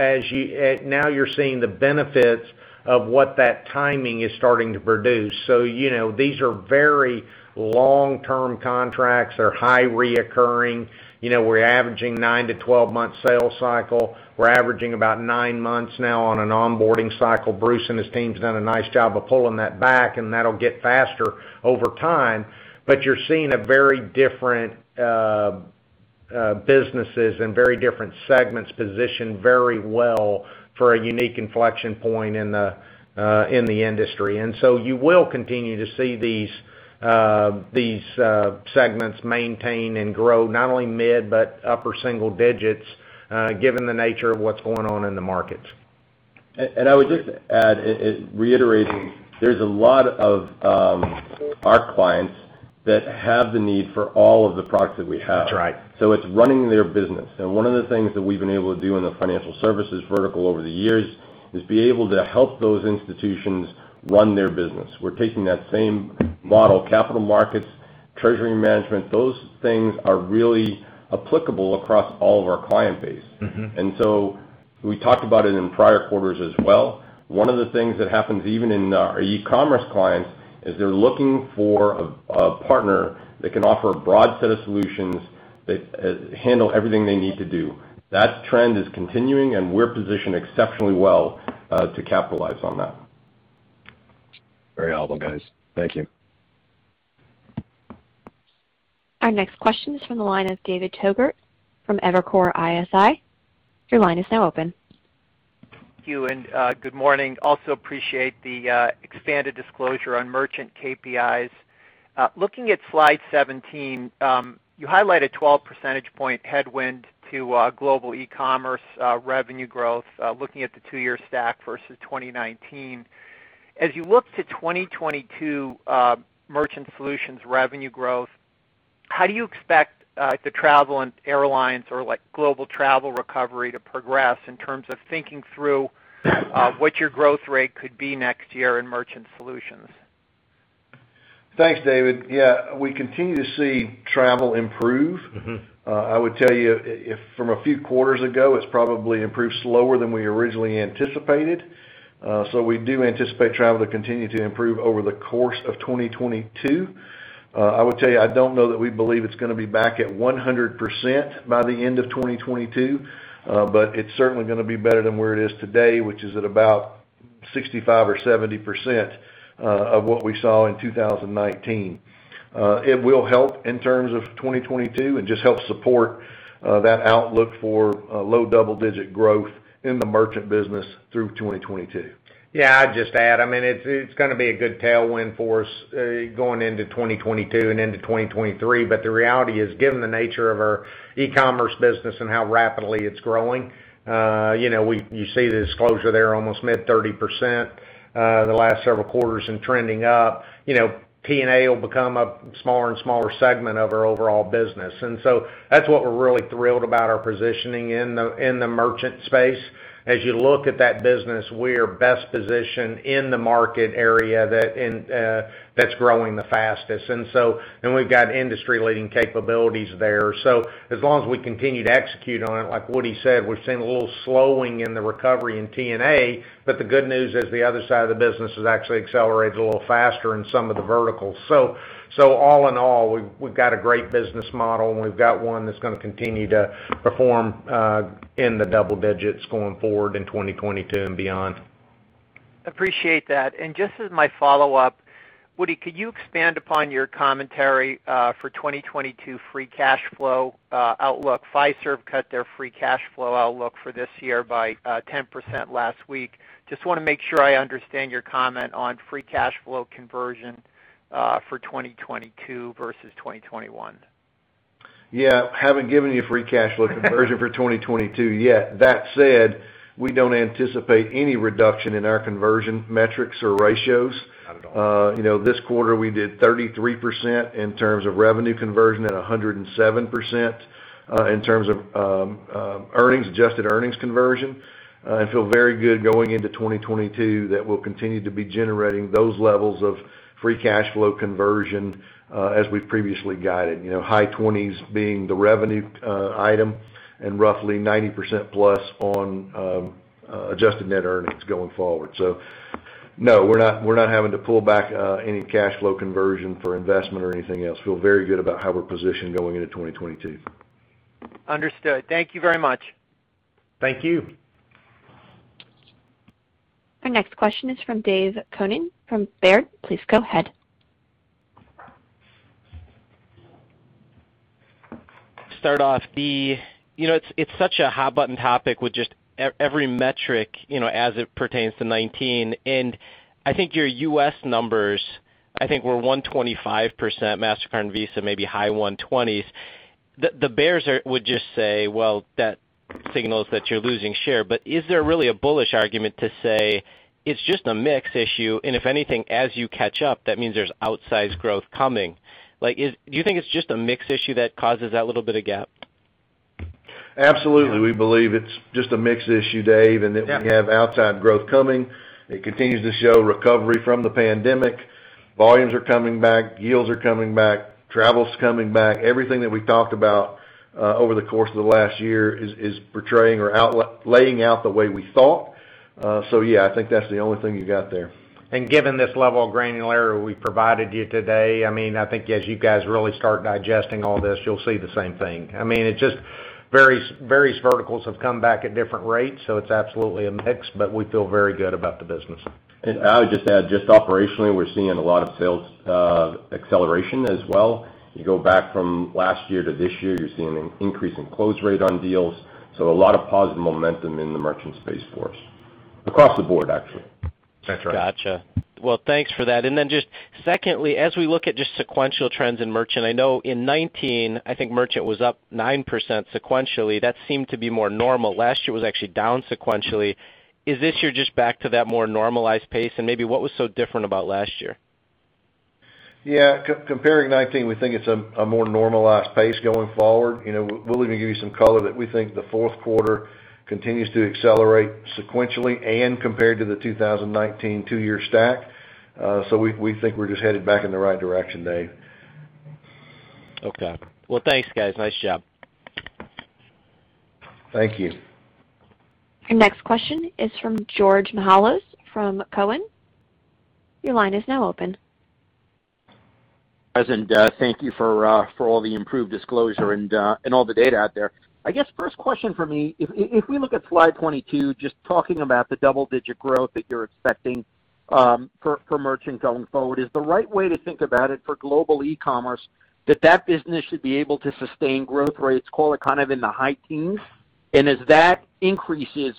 C: you're seeing the benefits of what that timing is starting to produce. You know, these are very long-term contracts. They're high recurring. You know, we're averaging 9-12 months sales cycle. We're averaging about 9 months now on an onboarding cycle. Bruce and his team has done a nice job of pulling that back, and that'll get faster over time. You're seeing a very different businesses and very different segments positioned very well for a unique inflection point in the industry. You will continue to see these segments maintain and grow not only mid-single digits, but upper-single digits, given the nature of what's going on in the markets.
H: I would just add, reiterating, there's a lot of our clients that have the need for all of the products that we have.
C: That's right.
H: It's running their business. One of the things that we've been able to do in the financial services vertical over the years is be able to help those institutions run their business. We're taking that same model, capital markets, treasury management. Those things are really applicable across all of our client base.
C: Mm-hmm.
H: We talked about it in prior quarters as well. One of the things that happens even in our e-commerce clients is they're looking for a partner that can offer a broad set of solutions that handle everything they need to do. That trend is continuing, and we're positioned exceptionally well to capitalize on that.
G: Very helpful, guys. Thank you.
B: Our next question is from the line of David Togut from Evercore ISI. Your line is now open.
I: Thank you, and good morning. I also appreciate the expanded disclosure on merchant KPIs. Looking at slide 17, you highlight a 12 percentage point headwind to global e-commerce revenue growth, looking at the two-year stack versus 2019. As you look to 2022, Merchant Solutions revenue growth, how do you expect the Travel and Airlines or, like, global travel recovery to progress in terms of thinking through what your growth rate could be next year in Merchant Solutions?
C: Thanks, David. Yeah. We continue to see travel improve.
I: Mm-hmm.
C: From a few quarters ago, it's probably improved slower than we originally anticipated. We do anticipate travel to continue to improve over the course of 2022.
D: I would tell you, I don't know that we believe it's gonna be back at 100% by the end of 2022, but it's certainly gonna be better than where it is today, which is at about 65% or 70% of what we saw in 2019. It will help in terms of 2022 and just help support that outlook for a low double-digit growth in the merchant business through 2022.
C: Yeah, I'd just add, I mean, it's gonna be a good tailwind for us going into 2022 and into 2023. The reality is, given the nature of our e-commerce business and how rapidly it's growing, you know, you see the disclosure there almost mid-30%, the last several quarters and trending up. You know, T&A will become a smaller and smaller segment of our overall business. That's what we're really thrilled about our positioning in the merchant space. As you look at that business, we are best positioned in the market area that's growing the fastest, and we've got industry-leading capabilities there. As long as we continue to execute on it, like Woody said, we've seen a little slowing in the recovery in T&A, but the good news is the other side of the business is actually accelerates a little faster in some of the verticals. All in all, we've got a great business model, and we've got one that's gonna continue to perform in the double digits going forward in 2022 and beyond.
I: Appreciate that. Just as my follow-up, Woody, could you expand upon your commentary for 2022 free cash flow outlook? Fiserv cut their free cash flow outlook for this year by 10% last week. Just wanna make sure I understand your comment on free cash flow conversion for 2022 versus 2021.
D: Yeah. Haven't given you free cash flow conversion for 2022 yet. That said, we don't anticipate any reduction in our conversion metrics or ratios.
C: Not at all.
D: You know, this quarter, we did 33% in terms of revenue conversion and 107% in terms of earnings, adjusted earnings conversion. I feel very good going into 2022 that we'll continue to be generating those levels of free cash flow conversion, as we previously guided. You know, high 20s being the revenue item and roughly 90%+ on adjusted net earnings going forward. No, we're not having to pull back any cash flow conversion for investment or anything else. I feel very good about how we're positioned going into 2022.
I: Understood. Thank you very much.
C: Thank you.
B: Our next question is from Dave Koning from Baird. Please go ahead.
J: Start off the, you know, it's such a hot button topic with just every metric, you know, as it pertains to 2019, and I think your U.S. numbers, I think, were 125%, Mastercard and Visa, maybe high 120s%. The bears are would just say, well, that signals that you're losing share. Is there really a bullish argument to say it's just a mix issue, and if anything, as you catch up, that means there's outsized growth coming? Like, do you think it's just a mix issue that causes that little bit of gap?
D: Absolutely. We believe it's just a mix issue, Dave, and that we have outside growth coming. It continues to show recovery from the pandemic. Volumes are coming back, yields are coming back, travel's coming back. Everything that we've talked about over the course of the last year is portraying or laying out the way we thought. Yeah, I think that's the only thing you got there.
C: Given this level of granularity we provided you today, I mean, I think as you guys really start digesting all this, you'll see the same thing. I mean, it's just various verticals have come back at different rates, so it's absolutely a mix, but we feel very good about the business.
H: I would just add, just operationally, we're seeing a lot of sales acceleration as well. You go back from last year to this year, you're seeing an increase in close rate on deals, so a lot of positive momentum in the merchant space for us, across the board, actually.
D: That's right.
J: Gotcha. Well, thanks for that. Just secondly, as we look at just sequential trends in merchant, I know in 2019, I think merchant was up 9% sequentially. That seemed to be more normal. Last year was actually down sequentially. Is this year just back to that more normalized pace? Maybe what was so different about last year?
D: Yeah. Comparing 2019, we think it's a more normalized pace going forward. You know, we'll even give you some color that we think the fourth quarter continues to accelerate sequentially and compared to the 2019 two-year stack. We think we're just headed back in the right direction, Dave.
J: Okay. Well, thanks, guys. Nice job.
D: Thank you.
B: Our next question is from George Mihalos from Cowen. Your line is now open.
K: Thank you for all the improved disclosure and all the data out there. I guess first question from me, if we look at slide 22, just talking about the double-digit growth that you're expecting for merchant going forward, is the right way to think about it for global e-commerce that business should be able to sustain growth rates call it kind of in the high teens? As that increases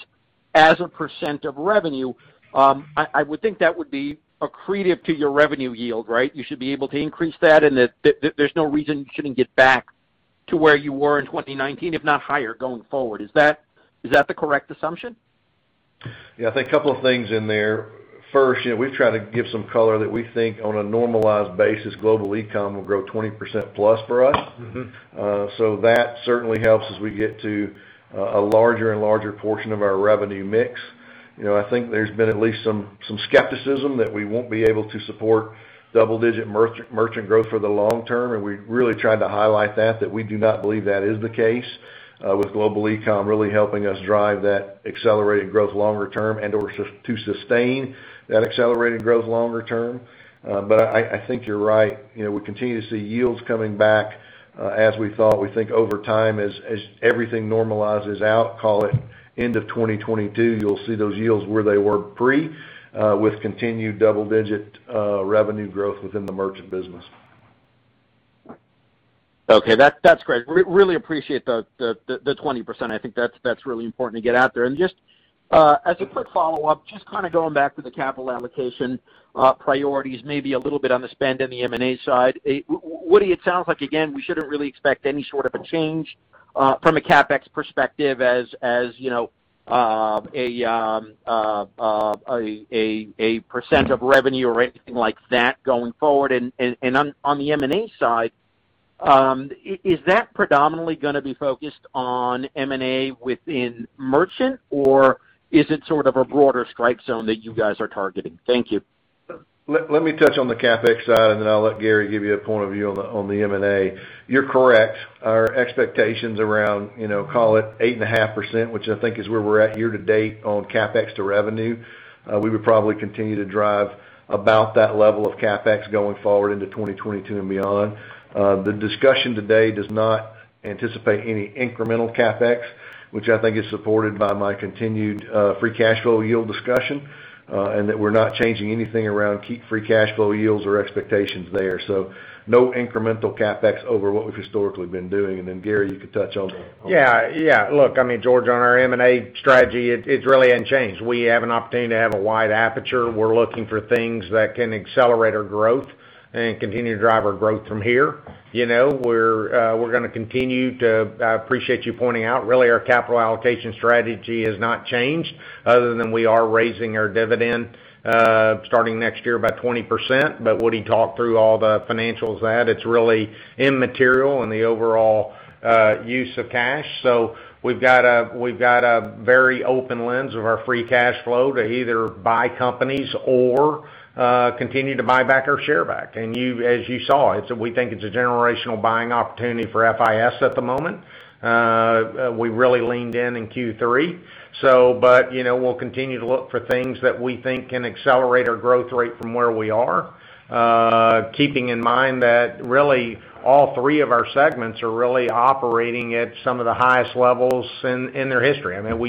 K: as a percent of revenue, I would think that would be accretive to your revenue yield, right? You should be able to increase that and that there's no reason you shouldn't get back to where you were in 2019, if not higher going forward. Is that the correct assumption?
D: Yeah. I think a couple of things in there. First, you know, we've tried to give some color that we think on a normalized basis, global e-com will grow 20% plus for us.
K: Mm-hmm.
D: That certainly helps as we get to a larger and larger portion of our revenue mix. You know, I think there's been at least some skepticism that we won't be able to support double-digit merchant growth for the long term, and we really tried to highlight that we do not believe that is the case, with global e-com really helping us drive that accelerated growth longer term and/or to sustain that accelerated growth longer term. I think you're right. You know, we continue to see yields coming back, as we thought. We think over time, as everything normalizes out, call it end of 2022, you'll see those yields where they were pre- with continued double-digit revenue growth within the merchant business.
K: Okay. That's great. Really appreciate the 20%. I think that's really important to get out there. Just as a quick follow-up, just kind of going back to the capital allocation priorities, maybe a little bit on the spend and the M&A side. Woody, it sounds like, again, we shouldn't really expect any sort of a change from a CapEx perspective, a percent of revenue or anything like that going forward. On the M&A side, is that predominantly gonna be focused on M&A within Merchant, or is it sort of a broader strike zone that you guys are targeting? Thank you.
D: Let me touch on the CapEx side, and then I'll let Gary give you a point of view on the M&A. You're correct. Our expectation's around, you know, call it 8.5%, which I think is where we're at year to date on CapEx to revenue. We would probably continue to drive about that level of CapEx going forward into 2022 and beyond. The discussion today does not anticipate any incremental CapEx, which I think is supported by my continued free cash flow yield discussion, and that we're not changing anything around key free cash flow yields or expectations there. No incremental CapEx over what we've historically been doing. Gary, you could touch on the-
C: Yeah. Yeah. Look, I mean, George, on our M&A strategy, it really hadn't changed. We have an opportunity to have a wide aperture. We're looking for things that can accelerate our growth and continue to drive our growth from here. You know, I appreciate you pointing out, really, our capital allocation strategy has not changed other than we are raising our dividend starting next year by 20%. Woody talked through all the financials of that. It's really immaterial in the overall use of cash. We've got a very open lens of our free cash flow to either buy companies or continue to buy back our shares. As you saw, we think it's a generational buying opportunity for FIS at the moment. We really leaned in in Q3. You know, we'll continue to look for things that we think can accelerate our growth rate from where we are, keeping in mind that really all three of our segments are really operating at some of the highest levels in their history. I mean,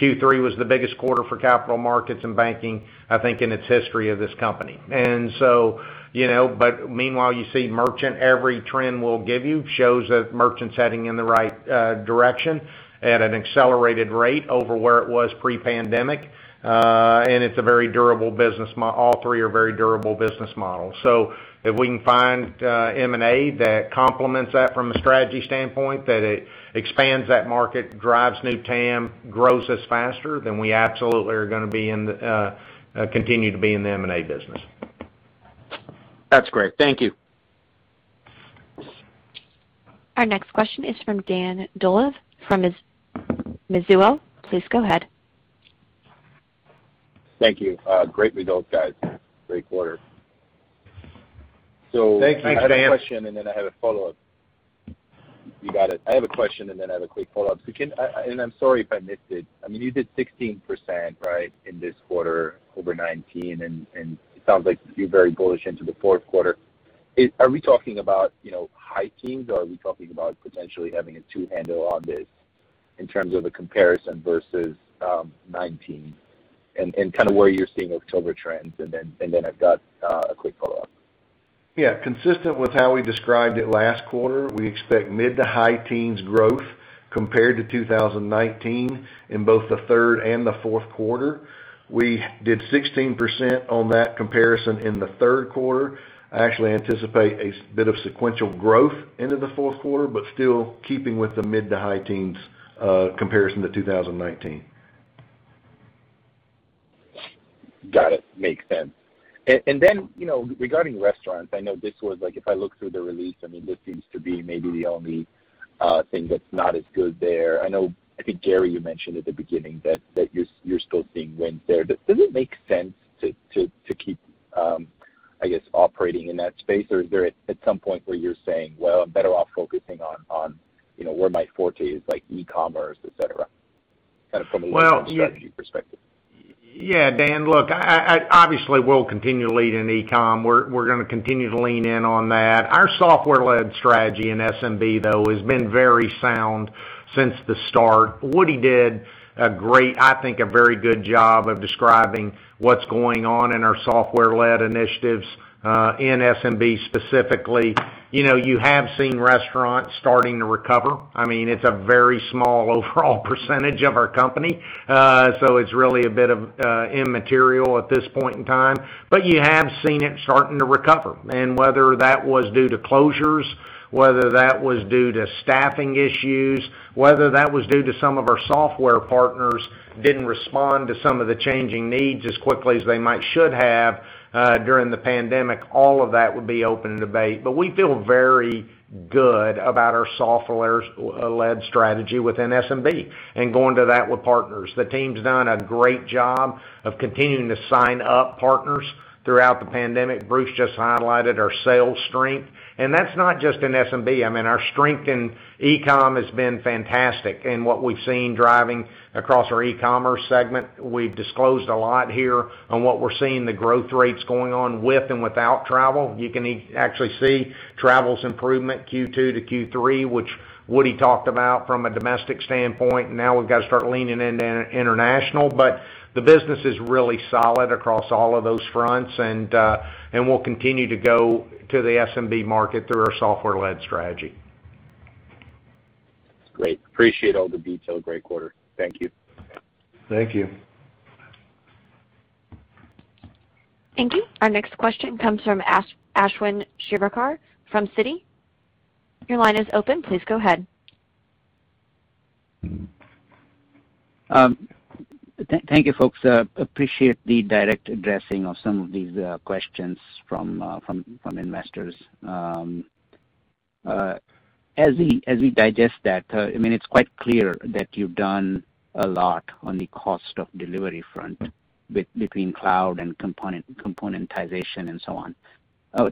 C: Q3 was the biggest quarter for capital markets and banking, I think, in its history of this company. You see merchant, every trend we'll give you shows that merchant's heading in the right direction at an accelerated rate over where it was pre-pandemic. It's a very durable business all three are very durable business models. If we can find M&A that complements that from a strategy standpoint, that it expands that market, drives new TAM, grows us faster, then we absolutely are gonna continue to be in the M&A business.
K: That's great. Thank you.
B: Our next question is from Dan Dolev from Mizuho. Please go ahead.
L: Thank you. Great results, guys. Great quarter.
D: Thank you, Dan.
L: I have a question, and then I have a quick follow-up. I'm sorry if I missed it. I mean, you did 16%, right, in this quarter over 2019. It sounds like you're very bullish into the fourth quarter. Are we talking about, you know, high teens, or are we talking about potentially having a two handle on this in terms of the comparison versus 2019? Kind of where you're seeing October trends. I've got a quick follow-up.
D: Yeah. Consistent with how we described it last quarter, we expect mid- to high-teens growth compared to 2019 in both the third and the fourth quarter. We did 16% on that comparison in the third quarter. I actually anticipate a bit of sequential growth into the fourth quarter, but still keeping with the mid- to high-teens comparison to 2019.
L: Got it. Makes sense. You know, regarding restaurants, I know this was like if I look through the release, I mean, this seems to be maybe the only thing that's not as good there. I know, I think, Gary, you mentioned at the beginning that you're still seeing wins there. Does it make sense to keep, I guess, operating in that space? Or is there at some point where you're saying, "Well, I'm better off focusing on, you know, where my forte is, like e-commerce, et cetera," kind of from a long-term strategy perspective?
C: Well, yeah, Dan, look, obviously, we'll continue to lead in e-com. We're gonna continue to lean in on that. Our software-led strategy in SMB, though, has been very sound since the start. Woody did a great, I think, a very good job of describing what's going on in our software-led initiatives in SMB specifically. You know, you have seen restaurants starting to recover. I mean, it's a very small overall percentage of our company. It's really a bit of immaterial at this point in time, but you have seen it starting to recover. Whether that was due to closures, whether that was due to staffing issues, whether that was due to some of our software partners didn't respond to some of the changing needs as quickly as they might should have, during the pandemic, all of that would be open to debate. We feel very good about our software-led strategy within SMB and going to that with partners. The team's done a great job of continuing to sign up partners throughout the pandemic. Bruce just highlighted our sales strength, and that's not just in SMB. I mean, our strength in e-com has been fantastic. What we've seen driving across our e-commerce segment, we've disclosed a lot here on what we're seeing the growth rates going on with and without travel. You can actually see travel's improvement Q2 to Q3, which Woody talked about from a domestic standpoint. Now we've got to start leaning into international. The business is really solid across all of those fronts. We'll continue to go to the SMB market through our software-led strategy.
L: Great. Appreciate all the detail. Great quarter. Thank you.
C: Thank you.
B: Thank you. Our next question comes from Ashwin Shirvaikar from Citi. Your line is open. Please go ahead.
M: Thank you, folks. Appreciate the direct addressing of some of these questions from investors. As we digest that, I mean, it's quite clear that you've done a lot on the cost of delivery front between cloud and componentization and so on.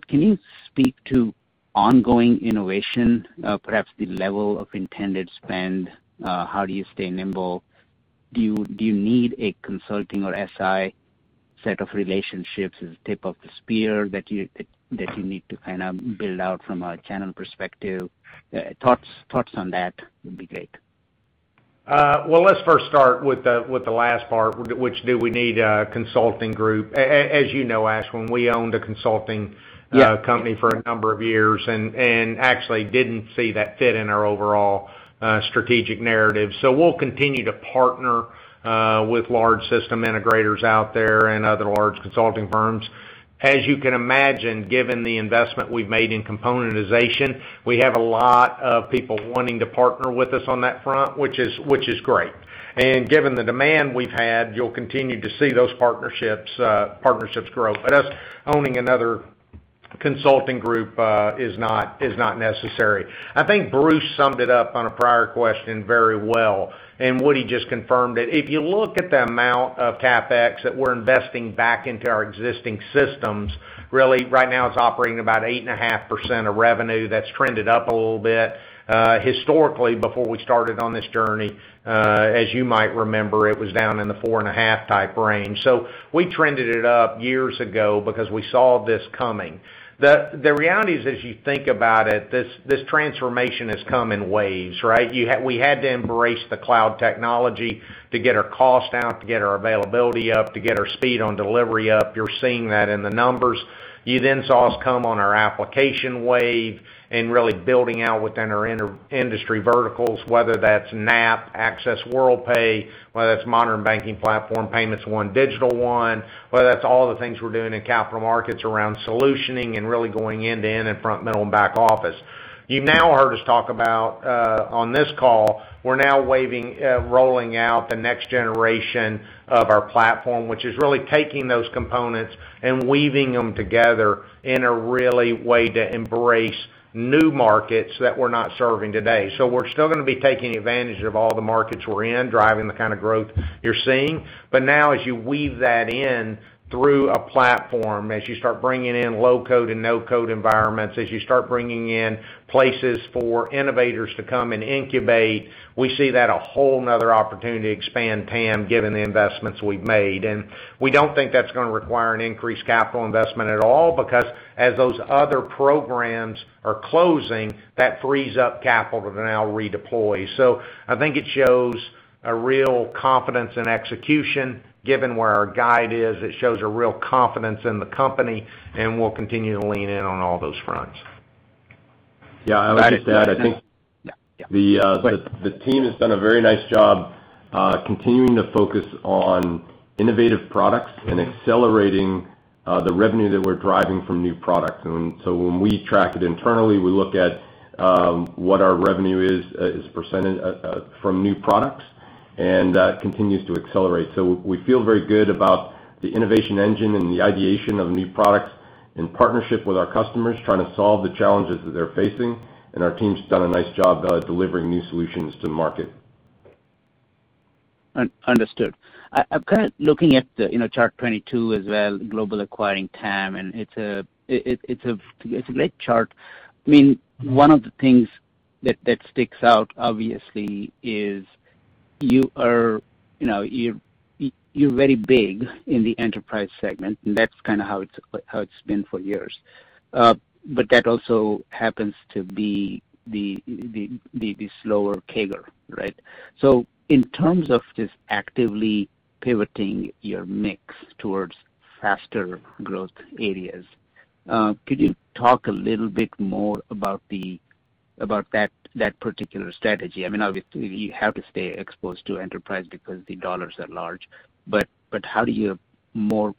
M: Can you speak to ongoing innovation, perhaps the level of intended spend? How do you stay nimble? Do you need a consulting or SI set of relationships as tip of the spear that you need to kind of build out from a channel perspective? Thoughts on that would be great.
C: Well, let's first start with the last part, which do we need a consulting group? As you know, Ashwin, we owned a consulting
M: Yeah
C: Company for a number of years and actually didn't see that fit in our overall strategic narrative. We'll continue to partner with large system integrators out there and other large consulting firms. As you can imagine, given the investment we've made in componentization, we have a lot of people wanting to partner with us on that front, which is great. Given the demand we've had, you'll continue to see those partnerships grow. Us owning another consulting group is not necessary. I think Bruce summed it up on a prior question very well, and Woody just confirmed it. If you look at the amount of CapEx that we're investing back into our existing systems, really right now it's operating about 8.5% of revenue that's trended up a little bit. Historically, before we started on this journey, as you might remember, it was down in the 4.5% type range. We trended it up years ago because we saw this coming. The reality is, as you think about it, this transformation has come in waves, right? We had to embrace the cloud technology to get our costs down, to get our availability up, to get our speed on delivery up. You're seeing that in the numbers. You then saw us come on our application wave and really building out within our industry verticals, whether that's NAP, Access Worldpay, whether that's Modern Banking Platform, Payments One, Digital One, whether that's all the things we're doing in capital markets around solutioning and really going end-to-end in front, middle, and back office. You've now heard us talk about, on this call, we're now rolling out the next generation of our platform, which is really taking those components and weaving them together in a really way to embrace new markets that we're not serving today. We're still gonna be taking advantage of all the markets we're in, driving the kind of growth you're seeing. Now as you weave that in through a platform, as you start bringing in low-code and no-code environments, as you start bringing in places for innovators to come and incubate, we see that a whole nother opportunity to expand TAM given the investments we've made. We don't think that's gonna require an increased capital investment at all because as those other programs are closing, that frees up capital to now redeploy. I think it shows a real confidence in execution. Given where our guide is, it shows a real confidence in the company, and we'll continue to lean in on all those fronts.
H: Yeah, I would say that I think.
C: Yeah.
H: The, uh-
C: Go ahead.
H: The team has done a very nice job continuing to focus on innovative products and accelerating the revenue that we're driving from new products. When we track it internally, we look at what our revenue is from new products, and that continues to accelerate. We feel very good about the innovation engine and the ideation of new products in partnership with our customers, trying to solve the challenges that they're facing. Our team's done a nice job delivering new solutions to the market.
M: Understood. I'm kind of looking at the, you know, chart 22 as well, Global Acquiring TAM, and it's a great chart. I mean, one of the things that sticks out obviously is you are, you know, you're very big in the enterprise segment, and that's kinda how it's been for years. But that also happens to be the slower CAGR, right? In terms of this actively pivoting your mix towards faster growth areas, could you talk a little bit more about that particular strategy? I mean, obviously, we have to stay exposed to enterprise because the dollars are large.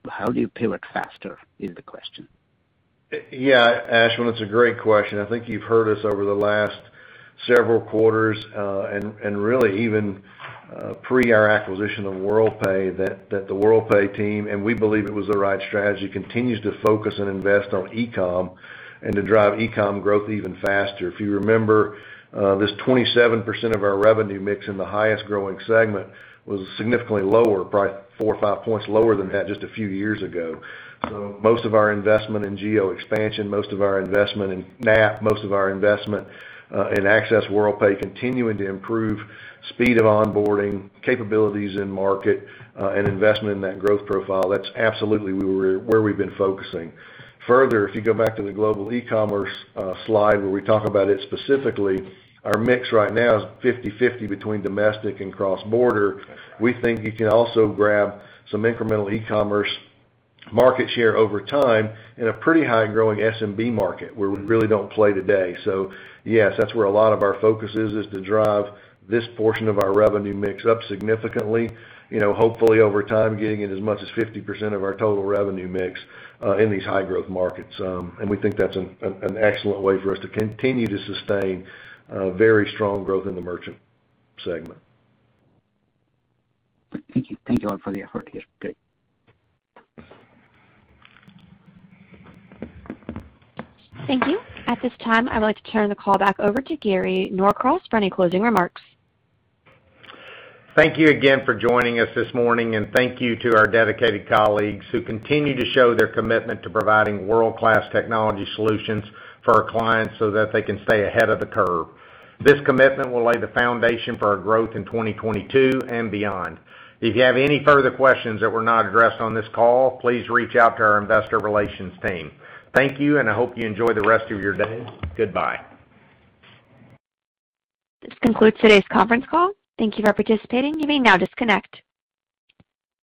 M: How do you pivot faster is the question.
C: Yeah, Ashwin, it's a great question. I think you've heard us over the last several quarters, and really even pre our acquisition of Worldpay, that the Worldpay team, and we believe it was the right strategy, continues to focus and invest on e-com and to drive e-com growth even faster. If you remember, this 27% of our revenue mix in the highest growing segment was significantly lower, probably four or five points lower than that just a few years ago. Most of our investment in geo expansion, most of our investment in NAP, most of our investment in Access Worldpay continuing to improve speed of onboarding, capabilities in market, and investment in that growth profile, that's absolutely where we've been focusing. Further, if you go back to the global e-commerce slide where we talk about it specifically, our mix right now is 50/50 between domestic and cross-border. We think you can also grab some incremental e-commerce market share over time in a pretty high-growing SMB market where we really don't play today. Yes, that's where a lot of our focus is to drive this portion of our revenue mix up significantly, you know, hopefully over time, getting it as much as 50% of our total revenue mix in these high-growth markets. We think that's an excellent way for us to continue to sustain very strong growth in the merchant segment.
M: Thank you. Thank you all for the effort here.
C: Okay.
B: Thank you. At this time, I would like to turn the call back over to Gary Norcross for any closing remarks.
C: Thank you again for joining us this morning, and thank you to our dedicated colleagues who continue to show their commitment to providing world-class technology solutions for our clients so that they can stay ahead of the curve. This commitment will lay the foundation for our growth in 2022 and beyond. If you have any further questions that were not addressed on this call, please reach out to our investor relations team. Thank you, and I hope you enjoy the rest of your day. Goodbye.
B: This concludes today's conference call. Thank you for participating. You may now disconnect.